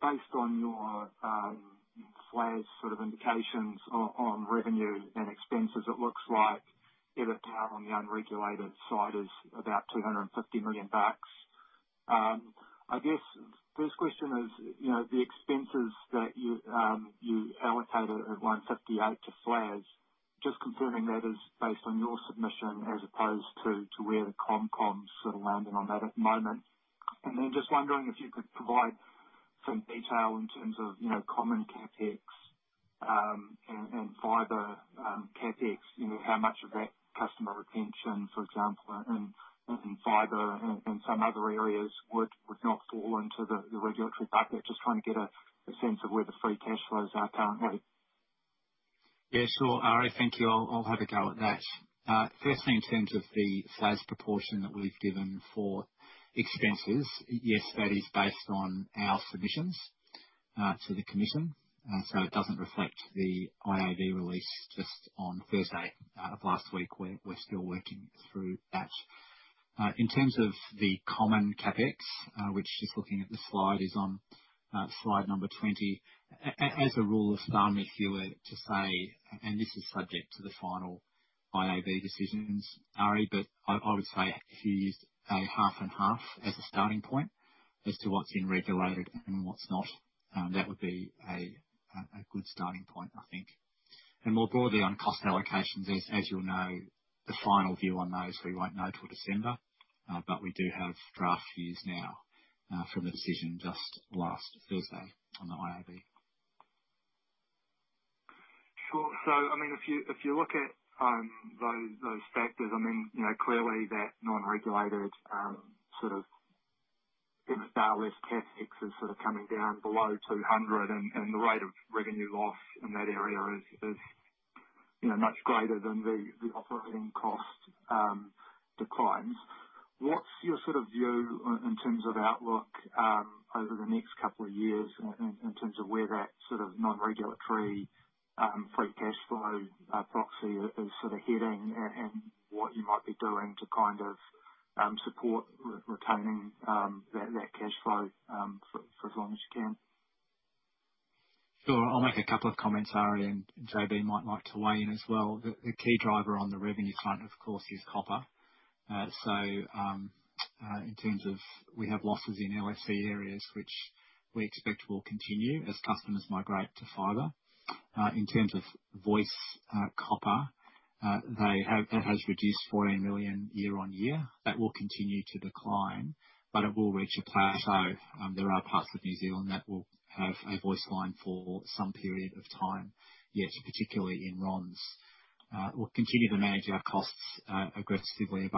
Based on your FFLAS sort of indications on revenue and expenses, it looks like EBITDA on the unregulated side is about 250 million bucks. I guess first question is, the expenses that you allocated at 158 to FFLAS, just confirming that is based on your submission as opposed to where the ComCom's sort of landing on that at the moment. Just wondering if you could provide some detail in terms of common CapEx and fibre CapEx, how much of that customer retention, for example, in fibre and some other areas would not fall into the regulatory bucket. Just trying to get a sense of where the free cash flows are currently. Yeah, sure, Arie, thank you. I'll have a go at that. Firstly, in terms of the sales proportion that we've given for expenses, yes, that is based on our submissions to the commission. It doesn't reflect the IAB release just on Thursday of last week. We're still working through that. In terms of the common CapEx, which just looking at the slide, is on slide number 20. As a rule of thumb, if you were to say, and this is subject to the final IAB decisions, Arie, I would say if you use a half and half as a starting point as to what's been regulated and what's not, that would be a good starting point, I think. More broadly on cost allocations, as you'll know, the final view on those we won't know till December. We do have draft views now from the decision just last Thursday on the IAB. Sure. If you look at those factors, clearly that non-regulated sort of in style with CapEx is sort of coming down below 200, the rate of revenue loss in that area is much greater than the operating cost declines. What's your sort of view, in terms of outlook over the next couple of years, in terms of where that non-regulatory free cash flow proxy is heading, and what you might be doing to support retaining that cash flow for as long as you can? Sure. I'll make a couple of comments, Arie, JB might like to weigh in as well. The key driver on the revenue side, of course, is copper. In terms of we have losses in LFC areas, which we expect will continue as customers migrate to fibre. In terms of voice copper, that has reduced 14 million year-over-year. That will continue to decline, it will reach a plateau. There are parts of New Zealand that will have a voice line for some period of time yet, particularly in RoNZ. We'll continue to manage our costs aggressively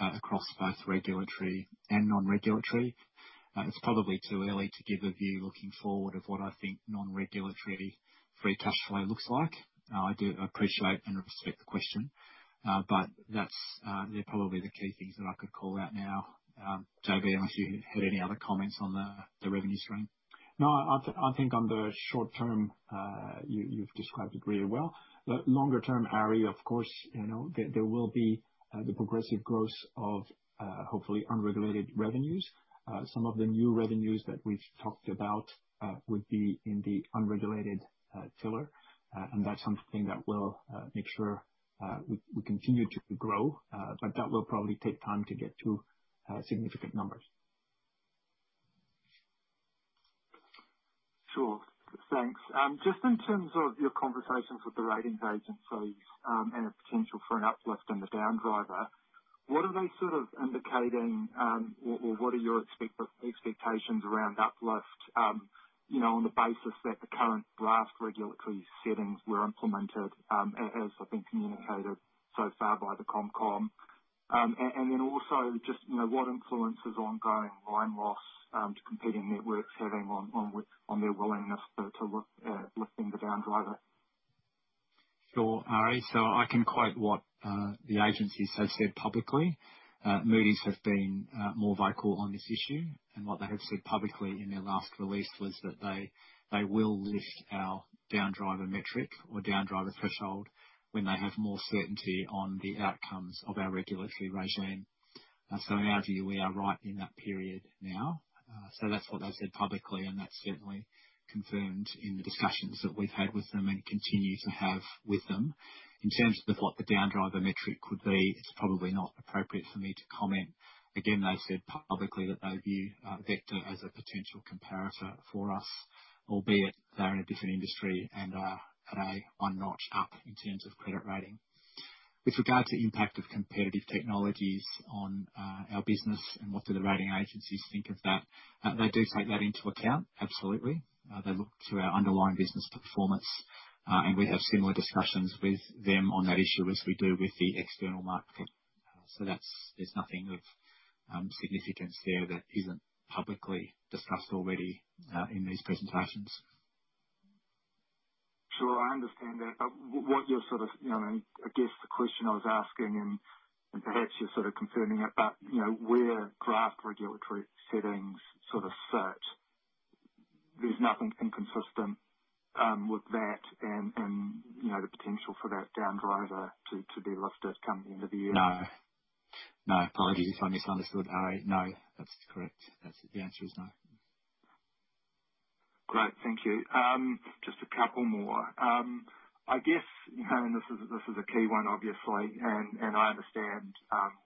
across both regulatory and non-regulatory. It's probably too early to give a view looking forward of what I think non-regulatory free cash flow looks like. I appreciate and respect the question. They're probably the key things that I could call out now. JB, unless you had any other comments on the revenue stream. No, I think on the short term, you've described it really well. The longer term, Arie, of course, there will be the progressive growth of hopefully unregulated revenues. Some of the new revenues that we've talked about would be in the unregulated pillar. That's something that will make sure we continue to grow, but that will probably take time to get to significant numbers. Sure. Thanks. Just in terms of your conversations with the ratings agencies, and a potential for an uplift in the down driver, what are they sort of indicating? What are your expectations around uplift, on the basis that the current draft regulatory settings were implemented as have been communicated so far by the ComCom? Also just what influence is ongoing line loss to competing networks having on their willingness to lifting the down driver? Sure, Arie. I can quote what the agencies have said publicly. Moody's have been more vocal on this issue. What they have said publicly in their last release was that they will lift our down driver metric or down driver threshold when they have more certainty on the outcomes of our regulatory regime. In our view, we are right in that period now. That's what they've said publicly, and that's certainly confirmed in the discussions that we've had with them and continue to have with them. In terms of what the down driver metric could be, it's probably not appropriate for me to comment. Again, they said publicly that they view Vector as a potential comparator for us, albeit they're in a different industry and are at a one notch up in terms of credit rating. With regard to impact of comparative technologies on our business and what do the rating agencies think of that, they do take that into account, absolutely. They look to our underlying business performance. We have similar discussions with them on that issue as we do with the external market. There's nothing of significance there that isn't publicly discussed already in these presentations. Sure, I understand that. I guess the question I was asking and perhaps you're sort of confirming it, where draft regulatory settings sort of sit, there's nothing inconsistent with that and the potential for that down driver to be lifted come the end of the year? No. If I misunderstood, Arie, no. That's correct. The answer is no. Great, thank you. Just a couple more. I guess, this is a key one, obviously, and I understand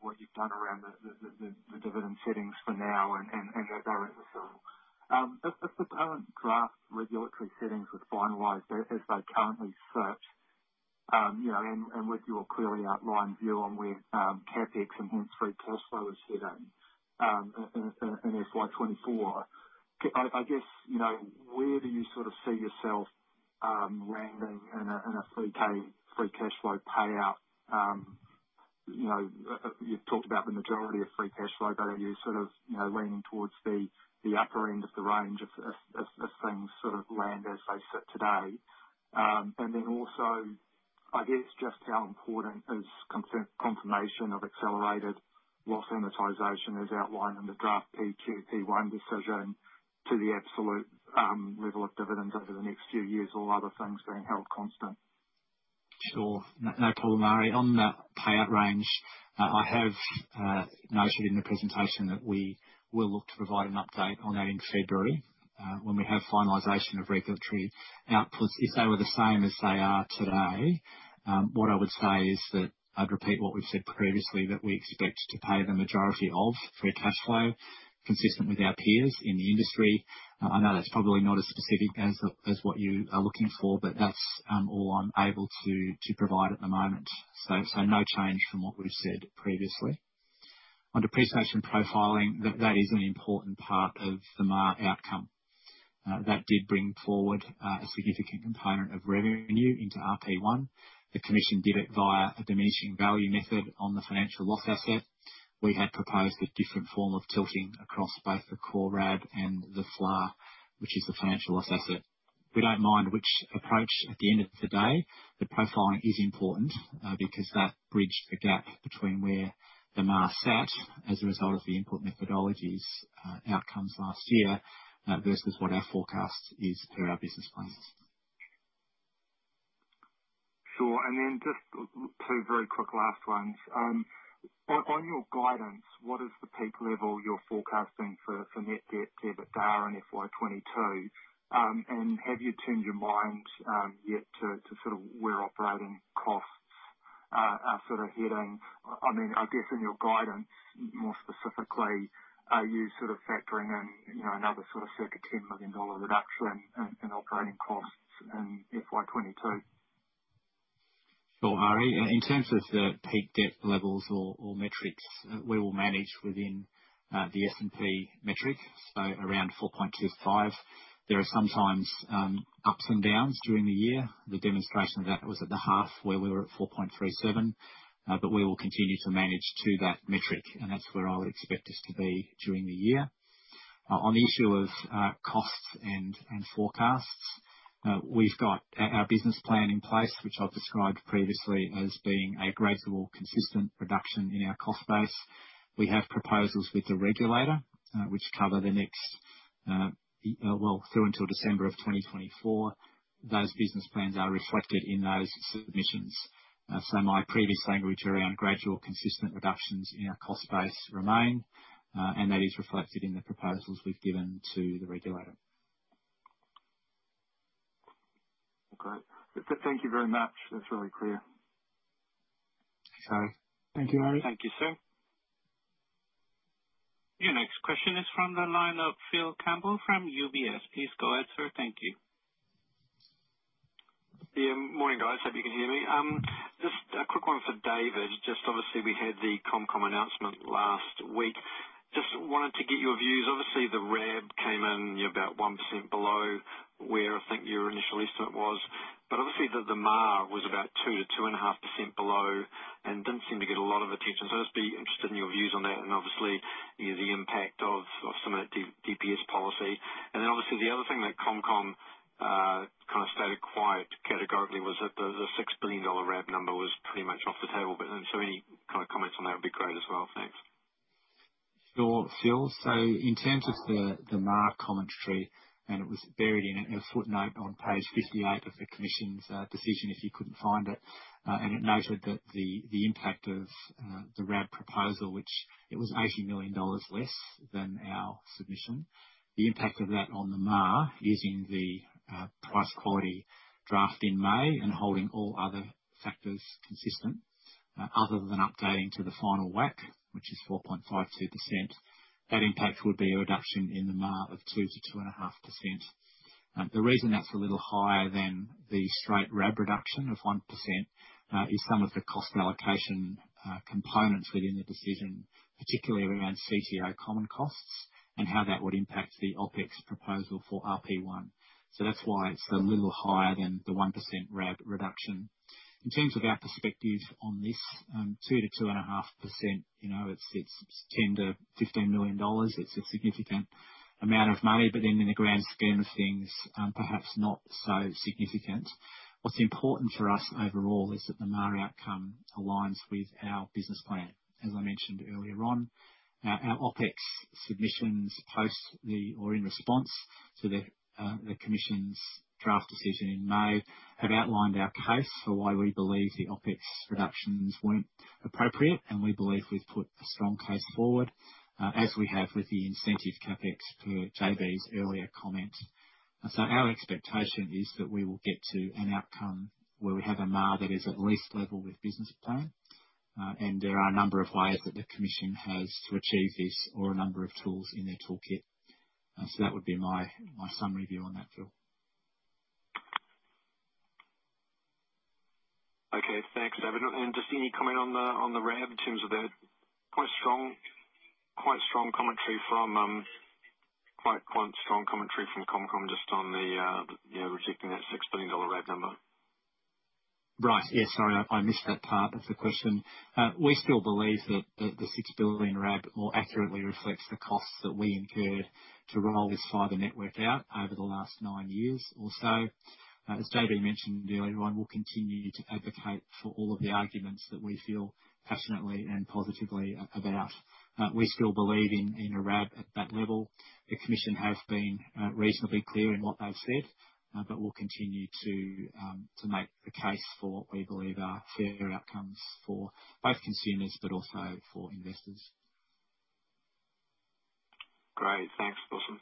what you've done around the dividend settings for now and those are at the floor. If the current draft regulatory settings were finalized as they currently sit, with your clearly outlined view on where CapEx and hence free cash flow is sitting in FY 2024, I guess, where do you sort of see yourself landing in a free cash flow payout. You've talked about the majority of free cash flow, are you sort of leaning towards the upper end of the range if things sort of land as they sit today? Also, I guess, just how important is confirmation of accelerated loss amortization as outlined in the draft PQP1 decision to the absolute level of dividends over the next few years, all other things being held constant? Sure. No problem, Arie. On that payout range, I have noted in the presentation that we will look to provide an update on that in February when we have finalization of regulatory outputs. If they were the same as they are today, what I would say is that I'd repeat what we've said previously, that we expect to pay the majority of free cash flow consistent with our peers in the industry. That's probably not as specific as what you are looking for, that's all I'm able to provide at the moment. No change from what we've said previously. On depreciation profiling, that is an important part of the MAR outcome. That did bring forward a significant component of revenue into RP1. The Commission did it via a diminishing value method on the financial loss asset. We had proposed a different form of tilting across both the core RAB and the FLA, which is the financial loss asset. We don't mind which approach. At the end of the day, the profiling is important because that bridged the gap between where the MAR sat as a result of the input methodologies outcomes last year versus what our forecast is per our business plans. Sure. Just two very quick last ones. On your guidance, what is the peak level you're forecasting for net debt EBITDA in FY 2022? Have you turned your mind yet to sort of where operating costs are sort of heading? I guess in your guidance, more specifically, are you sort of factoring in another sort of circa 10 million dollar reduction in operating costs in FY 2022? Sure, Arie. In terms of the peak debt levels or metrics, we will manage within the S&P metric, so around 4.25. There are sometimes ups and downs during the year. The demonstration of that was at the half where we were at 4.37. We will continue to manage to that metric, and that's where I would expect us to be during the year. On the issue of costs and forecasts, we've got our business plan in place, which I've described previously as being a gradual, consistent reduction in our cost base. We have proposals with the regulator, which cover the next well, through until December of 2024. Those business plans are reflected in those submissions. My previous language around gradual, consistent reductions in our cost base remain, and that is reflected in the proposals we've given to the regulator. Great. Thank you very much. That's really clear. Thank you, Arie. Thank you, sir. Your next question is from the line of Phil Campbell from UBS. Please go ahead, sir. Thank you. Yeah. Morning, guys. Hope you can hear me. Just a quick one for David. Just obviously we had the ComCom announcement last week. Just wanted to get your views. Obviously, the RAB came in about 1% below where I think your initial estimate was. Obviously, the MAR was about 2% to 2.5% below and didn't seem to get a lot of attention. I'd just be interested in your views on that and obviously the impact of some of that DPS policy. Obviously, the other thing that ComCom kind of stated quite categorically was that the 6 billion dollar RAB number was pretty much off the table. Any kind of comments on that would be great as well. Thanks. Sure, Phil. In terms of the MAR commentary, it was buried in a footnote on page 58 of the Commission's decision, if you couldn't find it, and it noted that the impact of the RAB proposal, which it was 80 million dollars less than our submission, the impact of that on the MAR using the price quality draft in May and holding all other factors consistent, other than updating to the final WACC, which is 4.52%, that impact would be a reduction in the MAR of 2%-2.5%. The reason that's a little higher than the straight RAB reduction of 1% is some of the cost allocation components within the decision, particularly around CTO common costs and how that would impact the OpEx proposal for RP1. That's why it's a little higher than the 1% RAB reduction. In terms of our perspective on this, 2%-2.5%, it's 10 million-15 million dollars. It's a significant amount of money. In the grand scheme of things, perhaps not so significant. What's important for us overall is that the MAR outcome aligns with our business plan. As I mentioned earlier on, our OpEx submissions in response to the Commission's draft decision in May, have outlined our case for why we believe the OpEx reductions weren't appropriate, and we believe we've put a strong case forward, as we have with the incentive CapEx, per JB's earlier comment. Our expectation is that we will get to an outcome where we have a MAR that is at least level with business plan. There are a number of ways that the Commission has to achieve this or a number of tools in their toolkit. That would be my summary view on that, Phil. Okay, thanks, David. Just any comment on the RAB in terms of that quite strong commentary from ComCom just on the rejecting that 6 billion dollar RAB number? Right. Yeah, sorry, I missed that part of the question. We still believe that the 6 billion RAB more accurately reflects the costs that we incurred to roll this fiber network out over the last nine years or so. As David mentioned earlier on, we'll continue to advocate for all of the arguments that we feel passionately and positively about. We still believe in a RAB at that level. The commission has been reasonably clear in what they've said, but we'll continue to make the case for what we believe are fairer outcomes for both consumers but also for investors. Great. Thanks, Rousselot.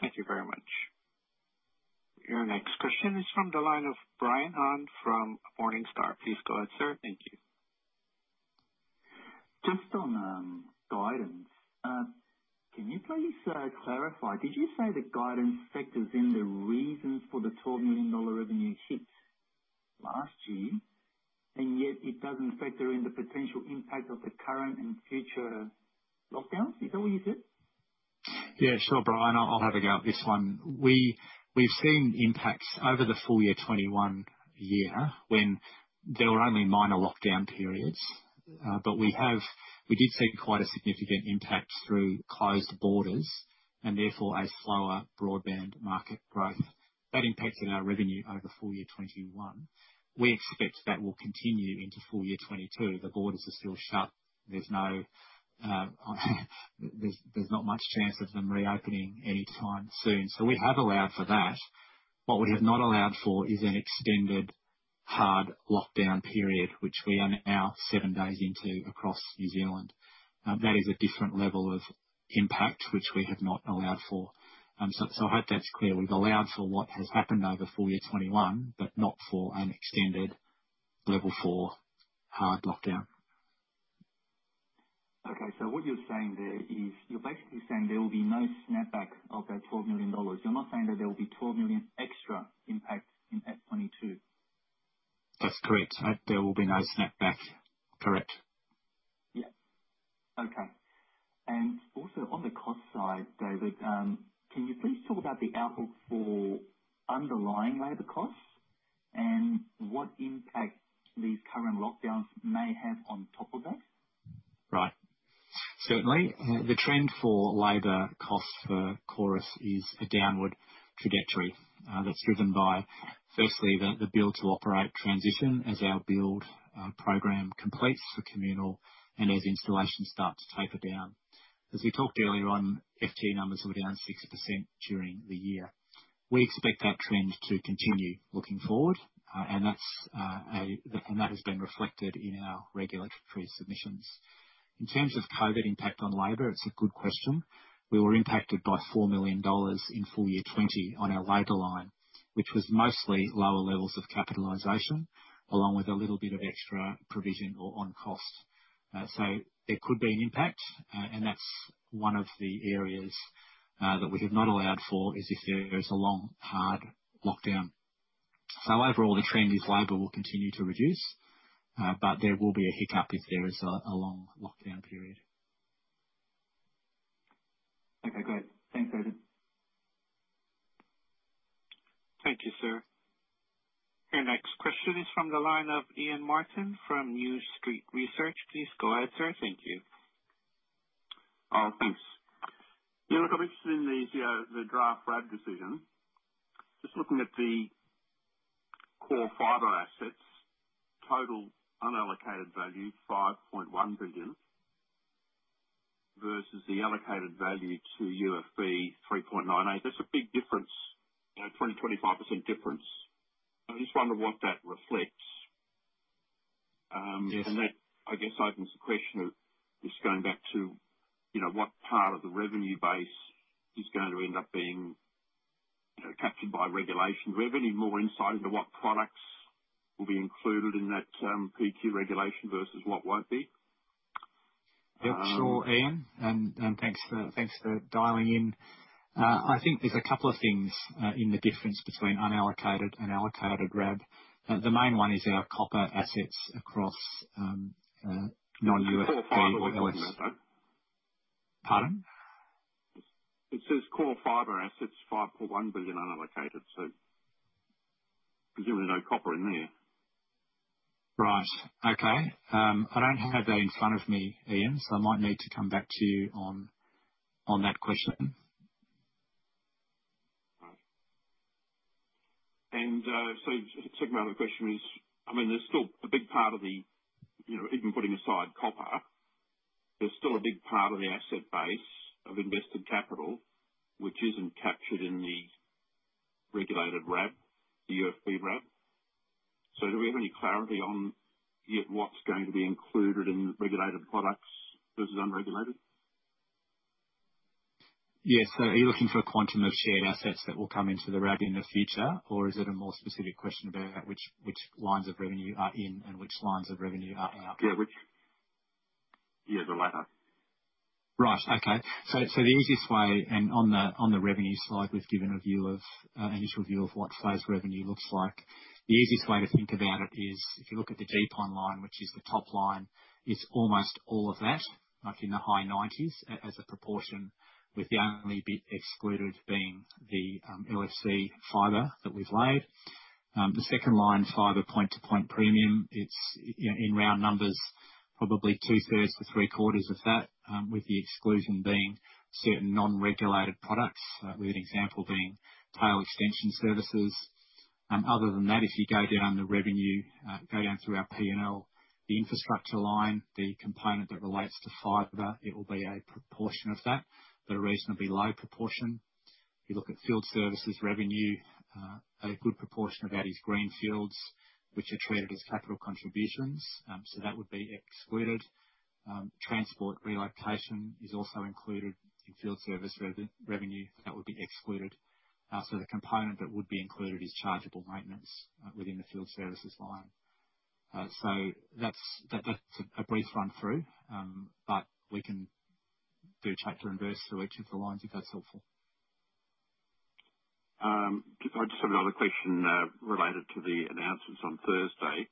Thank you very much. Your next question is from the line of Brian Han from Morningstar. Please go ahead, sir. Thank you. Just on guidance. Can you please clarify, did you say the guidance factors in the reasons for the 12 million dollar revenue hit last year, and yet it doesn't factor in the potential impact of the current and future lockdowns? Is that what you said? Sure, Brian, I'll have a go at this one. We've seen impacts over the full year 2021 year when there were only minor lockdown periods. We did see quite a significant impact through closed borders, and therefore a slower broadband market growth. That impacted our revenue over full year 2021. We expect that will continue into full year 2022. The borders are still shut. There's not much chance of them reopening anytime soon. We have allowed for that. What we have not allowed for is an extended hard lockdown period, which we are now seven days into across New Zealand. That is a different level of impact, which we have not allowed for. I hope that's clear. We've allowed for what has happened over full year 2021, but not for an extended Level 4 hard lockdown. Okay. What you're saying there is, you're basically saying there will be no snapback of that 12 million dollars. You're not saying that there will be 12 million extra impact in FY 2022? That's correct. There will be no snapback. Correct. Yeah. Okay. Also on the cost side, David, can you please talk about the outlook for underlying labor costs, and what impact these current lockdowns may have on top of that? Right. Certainly. The trend for labor costs for Chorus is a downward trajectory. That's driven by, firstly, the build-to-operate transition as our build program completes for communal, and as installations start to taper down. As we talked earlier on, FT numbers were down 6% during the year. We expect that trend to continue looking forward, and that has been reflected in our regulatory submissions. In terms of COVID impact on labor, it's a good question. We were impacted by 4 million dollars in full year 2020 on our labor line, which was mostly lower levels of capitalization, along with a little bit of extra provision or on cost. There could be an impact, and that's one of the areas that we have not allowed for, is if there is a long, hard lockdown. Overall, the trend is labor will continue to reduce, but there will be a hiccup if there is a long lockdown period. Okay, great. Thanks, David. Thank you, sir. Your next question is from the line of Ian Martin from New Street Research. Please go ahead, sir. Thank you. Thanks. Yeah, look, I'm interested in the draft RAB decision. Just looking at the core fiber assets, total unallocated value, 5.1 billion, versus the allocated value to UFB, 3.98. That's a big difference, 20%-25% difference. I just wonder what that reflects. Yes. That, I guess, opens the question of just going back to what part of the revenue base is going to end up being captured by regulation revenue. More insight into what products will be included in that PQ regulation versus what won't be. Sure, Ian. Thanks for dialing in. I think there's a couple of things in the difference between unallocated and allocated RAB. The main one is our copper assets across non-UFB. Core fiber we're looking at, though. Pardon? It says core fibre assets, 5.1 billion unallocated. Presumably, no copper in there. I don't have that in front of me, Ian, so I might need to come back to you on that question. Right. The second round of the question is, even putting aside copper, there's still a big part of the asset base of invested capital which isn't captured in the regulated RAB, the UFB RAB. Do we have any clarity on yet what's going to be included in regulated products versus unregulated? Yeah. Are you looking for a quantum of shared assets that will come into the RAB in the future? Is it a more specific question about which lines of revenue are in and which lines of revenue are out? Yeah, the latter. Right. Okay. The easiest way, and on the revenue slide, we've given an initial view of what FFLAS revenue looks like. The easiest way to think about it is if you look at the GPON line, which is the top line, it's almost all of that, like in the high 90s as a proportion, with the only bit excluded being the LFC fiber that we've laid. The second line fiber point to point premium, it's in round numbers, probably 2/3 to three-quarters of that, with the exclusion being certain non-regulated products, with an example being tail extension services. Other than that, if you go down the revenue, go down through our P&L, the infrastructure line, the component that relates to fiber, it will be a proportion of that, but a reasonably low proportion. If you look at field services revenue, a good proportion of that is green fields, which are treated as capital contributions. Transport relocation is also included in field service revenue. That would be excluded. The component that would be included is chargeable maintenance within the field services line. That's a brief run through, but we can do chapter and verse through each of the lines if that's helpful. I just have another question, related to the announcements on Thursday.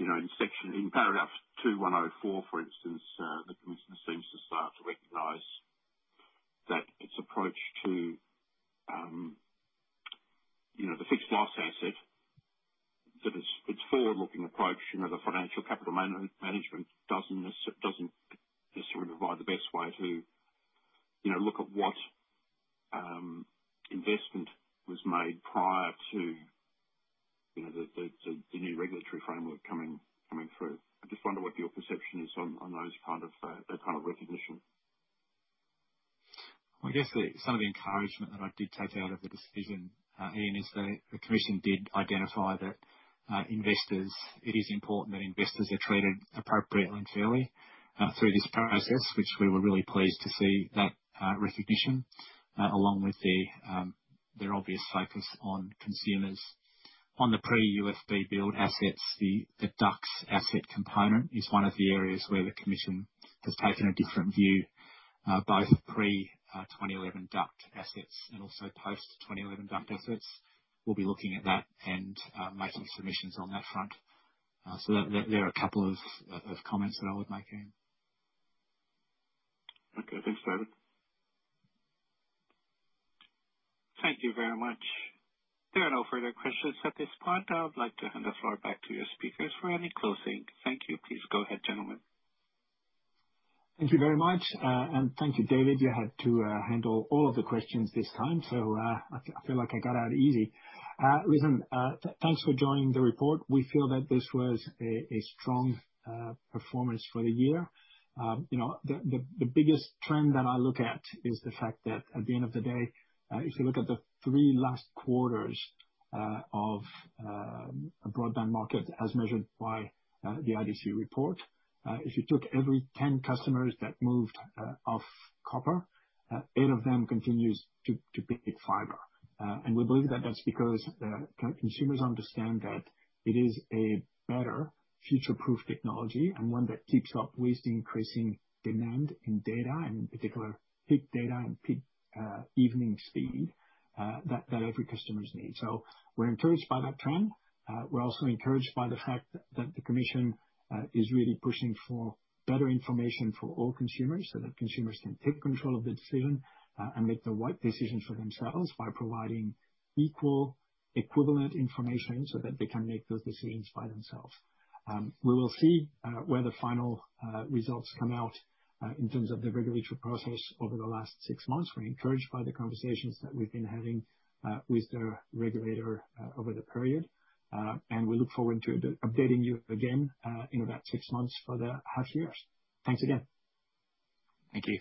In paragraph 2104, for instance, the Commission seems to start to recognize that its approach to the fixed FFLAS asset, that its forward-looking approach, the financial capital management doesn't necessarily provide the best way to look at what investment was made prior to the new regulatory framework coming through. I just wonder what your perception is on that kind of recognition. I guess some of the encouragement that I did take out of the decision, Ian, is that the Commission did identify that it is important that investors are treated appropriately and fairly through this process, which we were really pleased to see that recognition, along with their obvious focus on consumers. On the pre-UFB build assets, the ducts asset component is one of the areas where the Commission has taken a different view, both pre 2011 duct assets and also post 2011 duct assets. We'll be looking at that and making submissions on that front. There are couples of comments that I would make there. Okay. Thanks, David. Thank you very much. There are no further questions at this point. I would like to hand the floor back to your speakers for any closing. Thank you. Please go ahead, gentlemen. Thank you very much. Thank you, David. You had to handle all of the questions this time. I feel like I got out easy. Listen, thanks for joining the report. We feel that this was a strong performance for the year. The biggest trend that I look at is the fact that at the end of the day, if you look at the three last quarters of a broadband market as measured by the IDC report, if you took every 10 customers that moved off copper, eight of them continues to pick fibre. We believe that that's because consumers understand that it is a better future-proof technology and one that keeps up with the increasing demand in data and in particular peak data and peak evening speed, that every customer needs. We're encouraged by that trend. We're also encouraged by the fact that the Commerce Commission is really pushing for better information for all consumers so that consumers can take control of the decision, and make the right decision for themselves by providing equal, equivalent information so that they can make those decisions by themselves. We will see where the final results come out in terms of the regulatory process over the last six months. We're encouraged by the conversations that we've been having with the regulator over the period. We look forward to updating you again in about six months for the half years. Thanks again. Thank you.